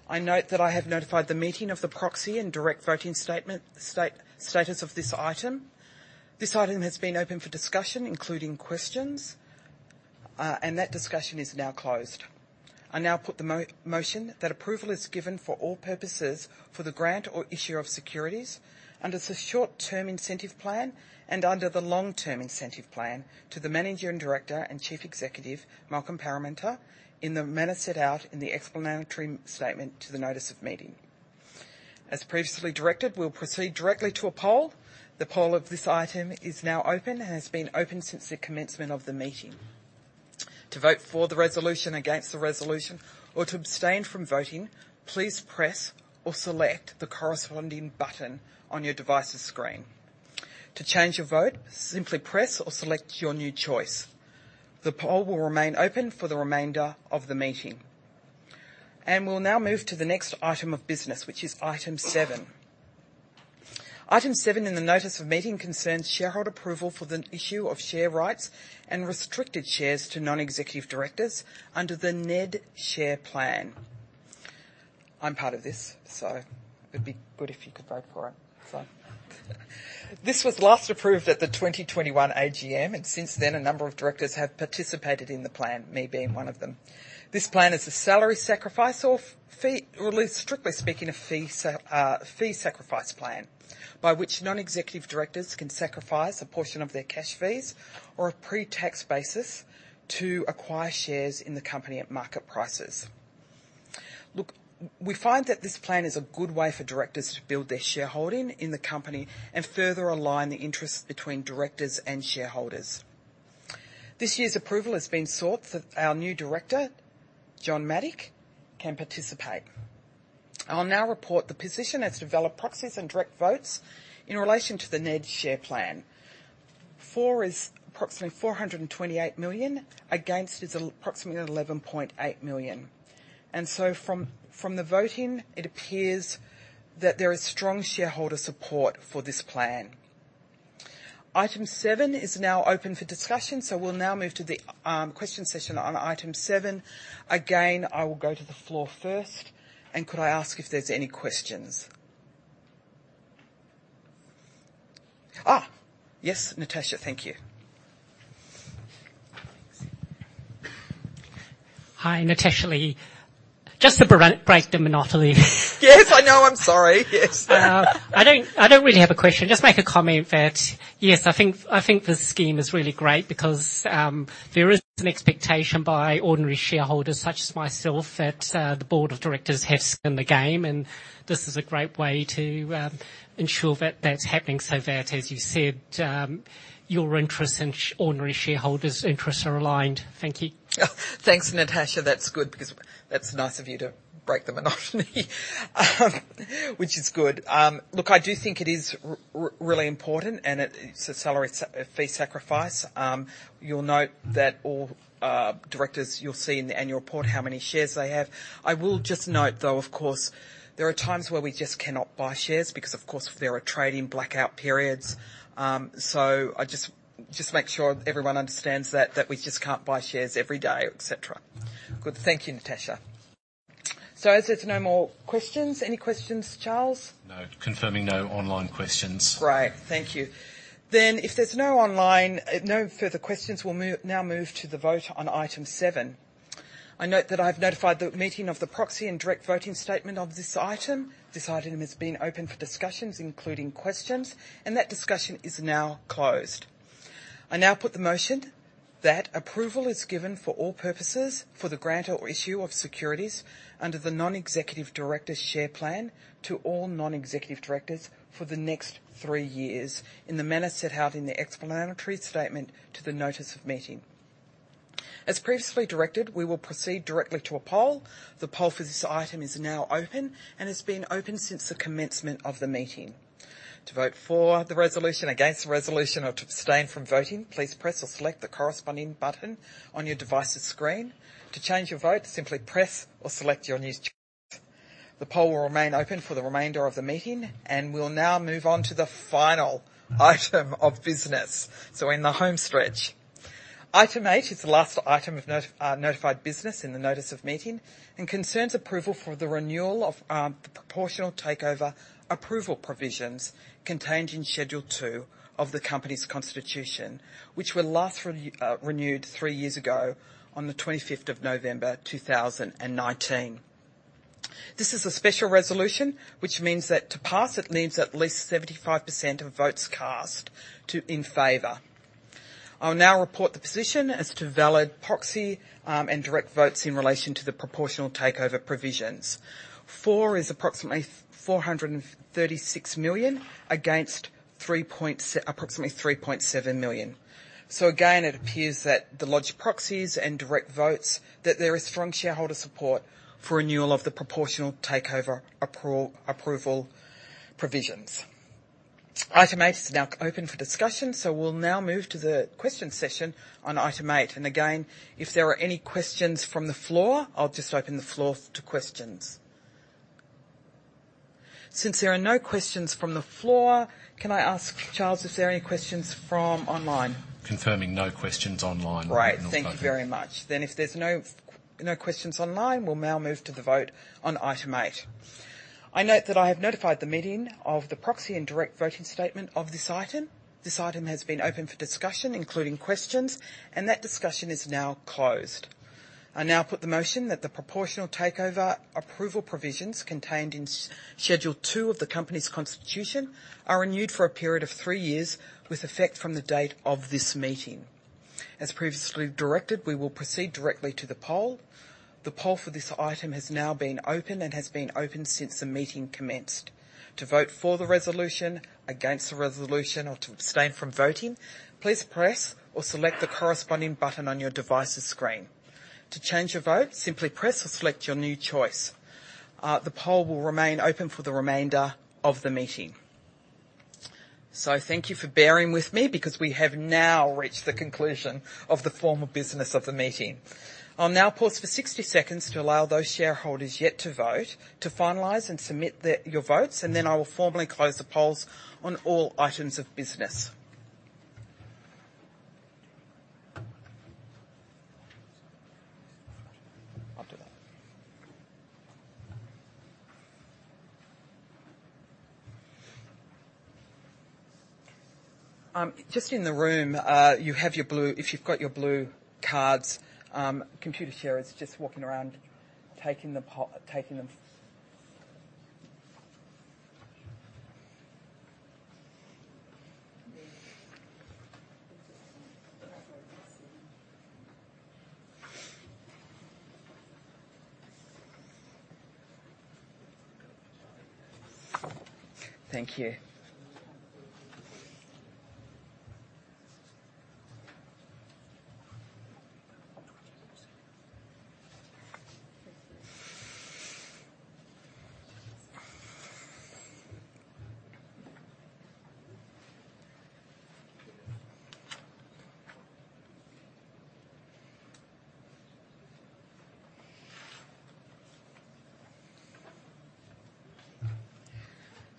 I note that I have notified the meeting of the proxy and direct voting statement, status of this item. This item has been open for discussion, including questions, and that discussion is now closed. I now put the motion that approval is given for all purposes for the grant or issue of securities under the short-term incentive plan and under the long-term incentive plan to the Managing Director and Chief Executive, Malcolm Parmenter, in the manner set out in the explanatory statement to the notice of meeting. As previously directed, we'll proceed directly to a poll. The poll of this item is now open and has been open since the commencement of the meeting. To vote for the resolution, against the resolution, or to abstain from voting, please press or select the corresponding button on your device's screen. To change your vote, simply press or select your new choice. The poll will remain open for the remainder of the meeting. We'll now move to the next item of business, which is item seven. Item seven in the notice of meeting concerns shareholder approval for the issue of share rights and restricted shares to non-executive directors under the NED Share Plan. I'm part of this, so it'd be good if you could vote for it. This was last approved at the 2021 AGM, and since then, a number of directors have participated in the plan, me being one of them. This plan is a salary sacrifice or fee. Well, strictly speaking, a fee sacrifice plan, by which non-executive directors can sacrifice a portion of their cash fees on a pre-tax basis to acquire shares in the company at market prices. Look, we find that this plan is a good way for directors to build their shareholding in the company and further align the interests between directors and shareholders. This year's approval has been sought so our new director, John Mattick, can participate. I'll now report the position as to delivered proxies and direct votes in relation to the NED share plan. For is approximately 428 million, against is approximately 11.8 million. From the voting, it appears that there is strong shareholder support for this plan. Item seven is now open for discussion, we'll now move to the question session on item seven. Again, I will go to the floor first, and could I ask if there's any questions? Yes, Natasha. Thank you. Hi, Natasha Lee. Just to break the monotony. Yes, I know. I'm sorry. Yes. I don't really have a question. Just make a comment that, yes, I think the scheme is really great because there is an expectation by ordinary shareholders, such as myself, that the board of directors have skin in the game, and this is a great way to ensure that that's happening so that, as you said, your interests and ordinary shareholders' interests are aligned. Thank you. Thanks, Natasha. That's good. That's nice of you to break the monotony, which is good. Look, I do think it is really important, and it's a fee sacrifice. You'll note that all directors. You'll see in the annual report how many shares they have. I will just note, though, of course, there are times where we just cannot buy shares because, of course, there are trading blackout periods. I just make sure everyone understands that we just can't buy shares every day, etc. Good. Thank you, Natasha. As there's no more questions, any questions, Charles? No. Confirming no online questions. Great. Thank you. If there's no online, no further questions, we'll move to the vote on item seven. I note that I've notified the meeting of the proxy and direct voting statement of this item. This item has been open for discussions, including questions, and that discussion is now closed. I now put the motion that approval is given for all purposes for the grant or issue of securities under the Non-Executive Director Share Plan to all non-executive directors for the next three years in the manner set out in the explanatory statement to the notice of meeting. As previously directed, we will proceed directly to a poll. The poll for this item is now open and has been open since the commencement of the meeting. To vote for the resolution, against the resolution, or to abstain from voting, please press or select the corresponding button on your device's screen. To change your vote, simply press or select your new choice. The poll will remain open for the remainder of the meeting, and we'll now move on to the final item of business. We're in the home stretch. Item eight is the last item of notified business in the notice of meeting and concerns approval for the renewal of the proportional takeover approval provisions contained in Schedule Two of the company's constitution, which were last renewed three years ago on the 25th of November, 2019. This is a special resolution, which means that to pass, it needs at least 75% of votes cast in favor. I'll now report the position as to valid proxy, and direct votes in relation to the proportional takeover provisions. For is approximately 436 million against approximately 3.7 million. Again, it appears that the lodged proxies and direct votes, that there is strong shareholder support for renewal of the proportional takeover approval provisions. Item eight is now open for discussion. We'll now move to the question session on item eight. Again, if there are any questions from the floor, I'll just open the floor to questions. Since there are no questions from the floor, can I ask Charles if there are any questions from online? Confirming no questions online. Right. Thank you very much. If there's no questions online, we'll now move to the vote on item eight. I note that I have notified the meeting of the proxy and direct voting statement of this item. This item has been open for discussion, including questions, and that discussion is now closed. I now put the motion that the proportional takeover approval provisions contained in Schedule two of the company's constitution are renewed for a period of three years, with effect from the date of this meeting. As previously directed, we will proceed directly to the poll. The poll for this item has now been open and has been open since the meeting commenced. To vote for the resolution, against the resolution, or to abstain from voting, please press or select the corresponding button on your device's screen. To change your vote, simply press or select your new choice. The poll will remain open for the remainder of the meeting. Thank you for bearing with me because we have now reached the conclusion of the formal business of the meeting. I'll now pause for 60 seconds to allow those shareholders yet to vote to finalize and submit your votes, and then I will formally close the polls on all items of business. Just in the room, you have your blue cards. If you've got your blue cards, Computershare is just walking around, taking them. Thank you.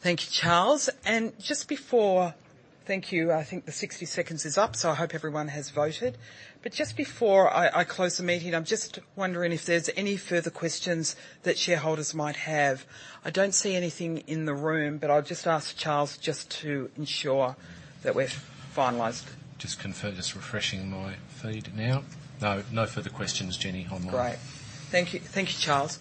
Thank you, Charles. I think the 60 seconds is up, so I hope everyone has voted. Just before I close the meeting, I'm just wondering if there's any further questions that shareholders might have. I don't see anything in the room, but I'll just ask Charles just to ensure that we're finalized. Just confirm, just refreshing my feed now. No. No further questions, Jenny, online. Great. Thank you. Thank you, Charles.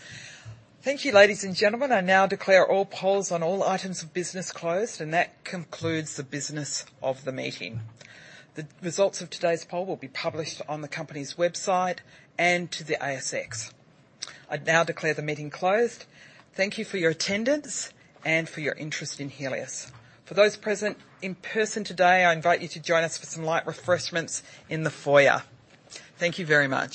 Thank you, ladies and gentlemen. I now declare all polls on all items of business closed, and that concludes the business of the meeting. The results of today's poll will be published on the company's website and to the ASX. I now declare the meeting closed. Thank you for your attendance and for your interest in Healius. For those present in person today, I invite you to join us for some light refreshments in the foyer. Thank you very much.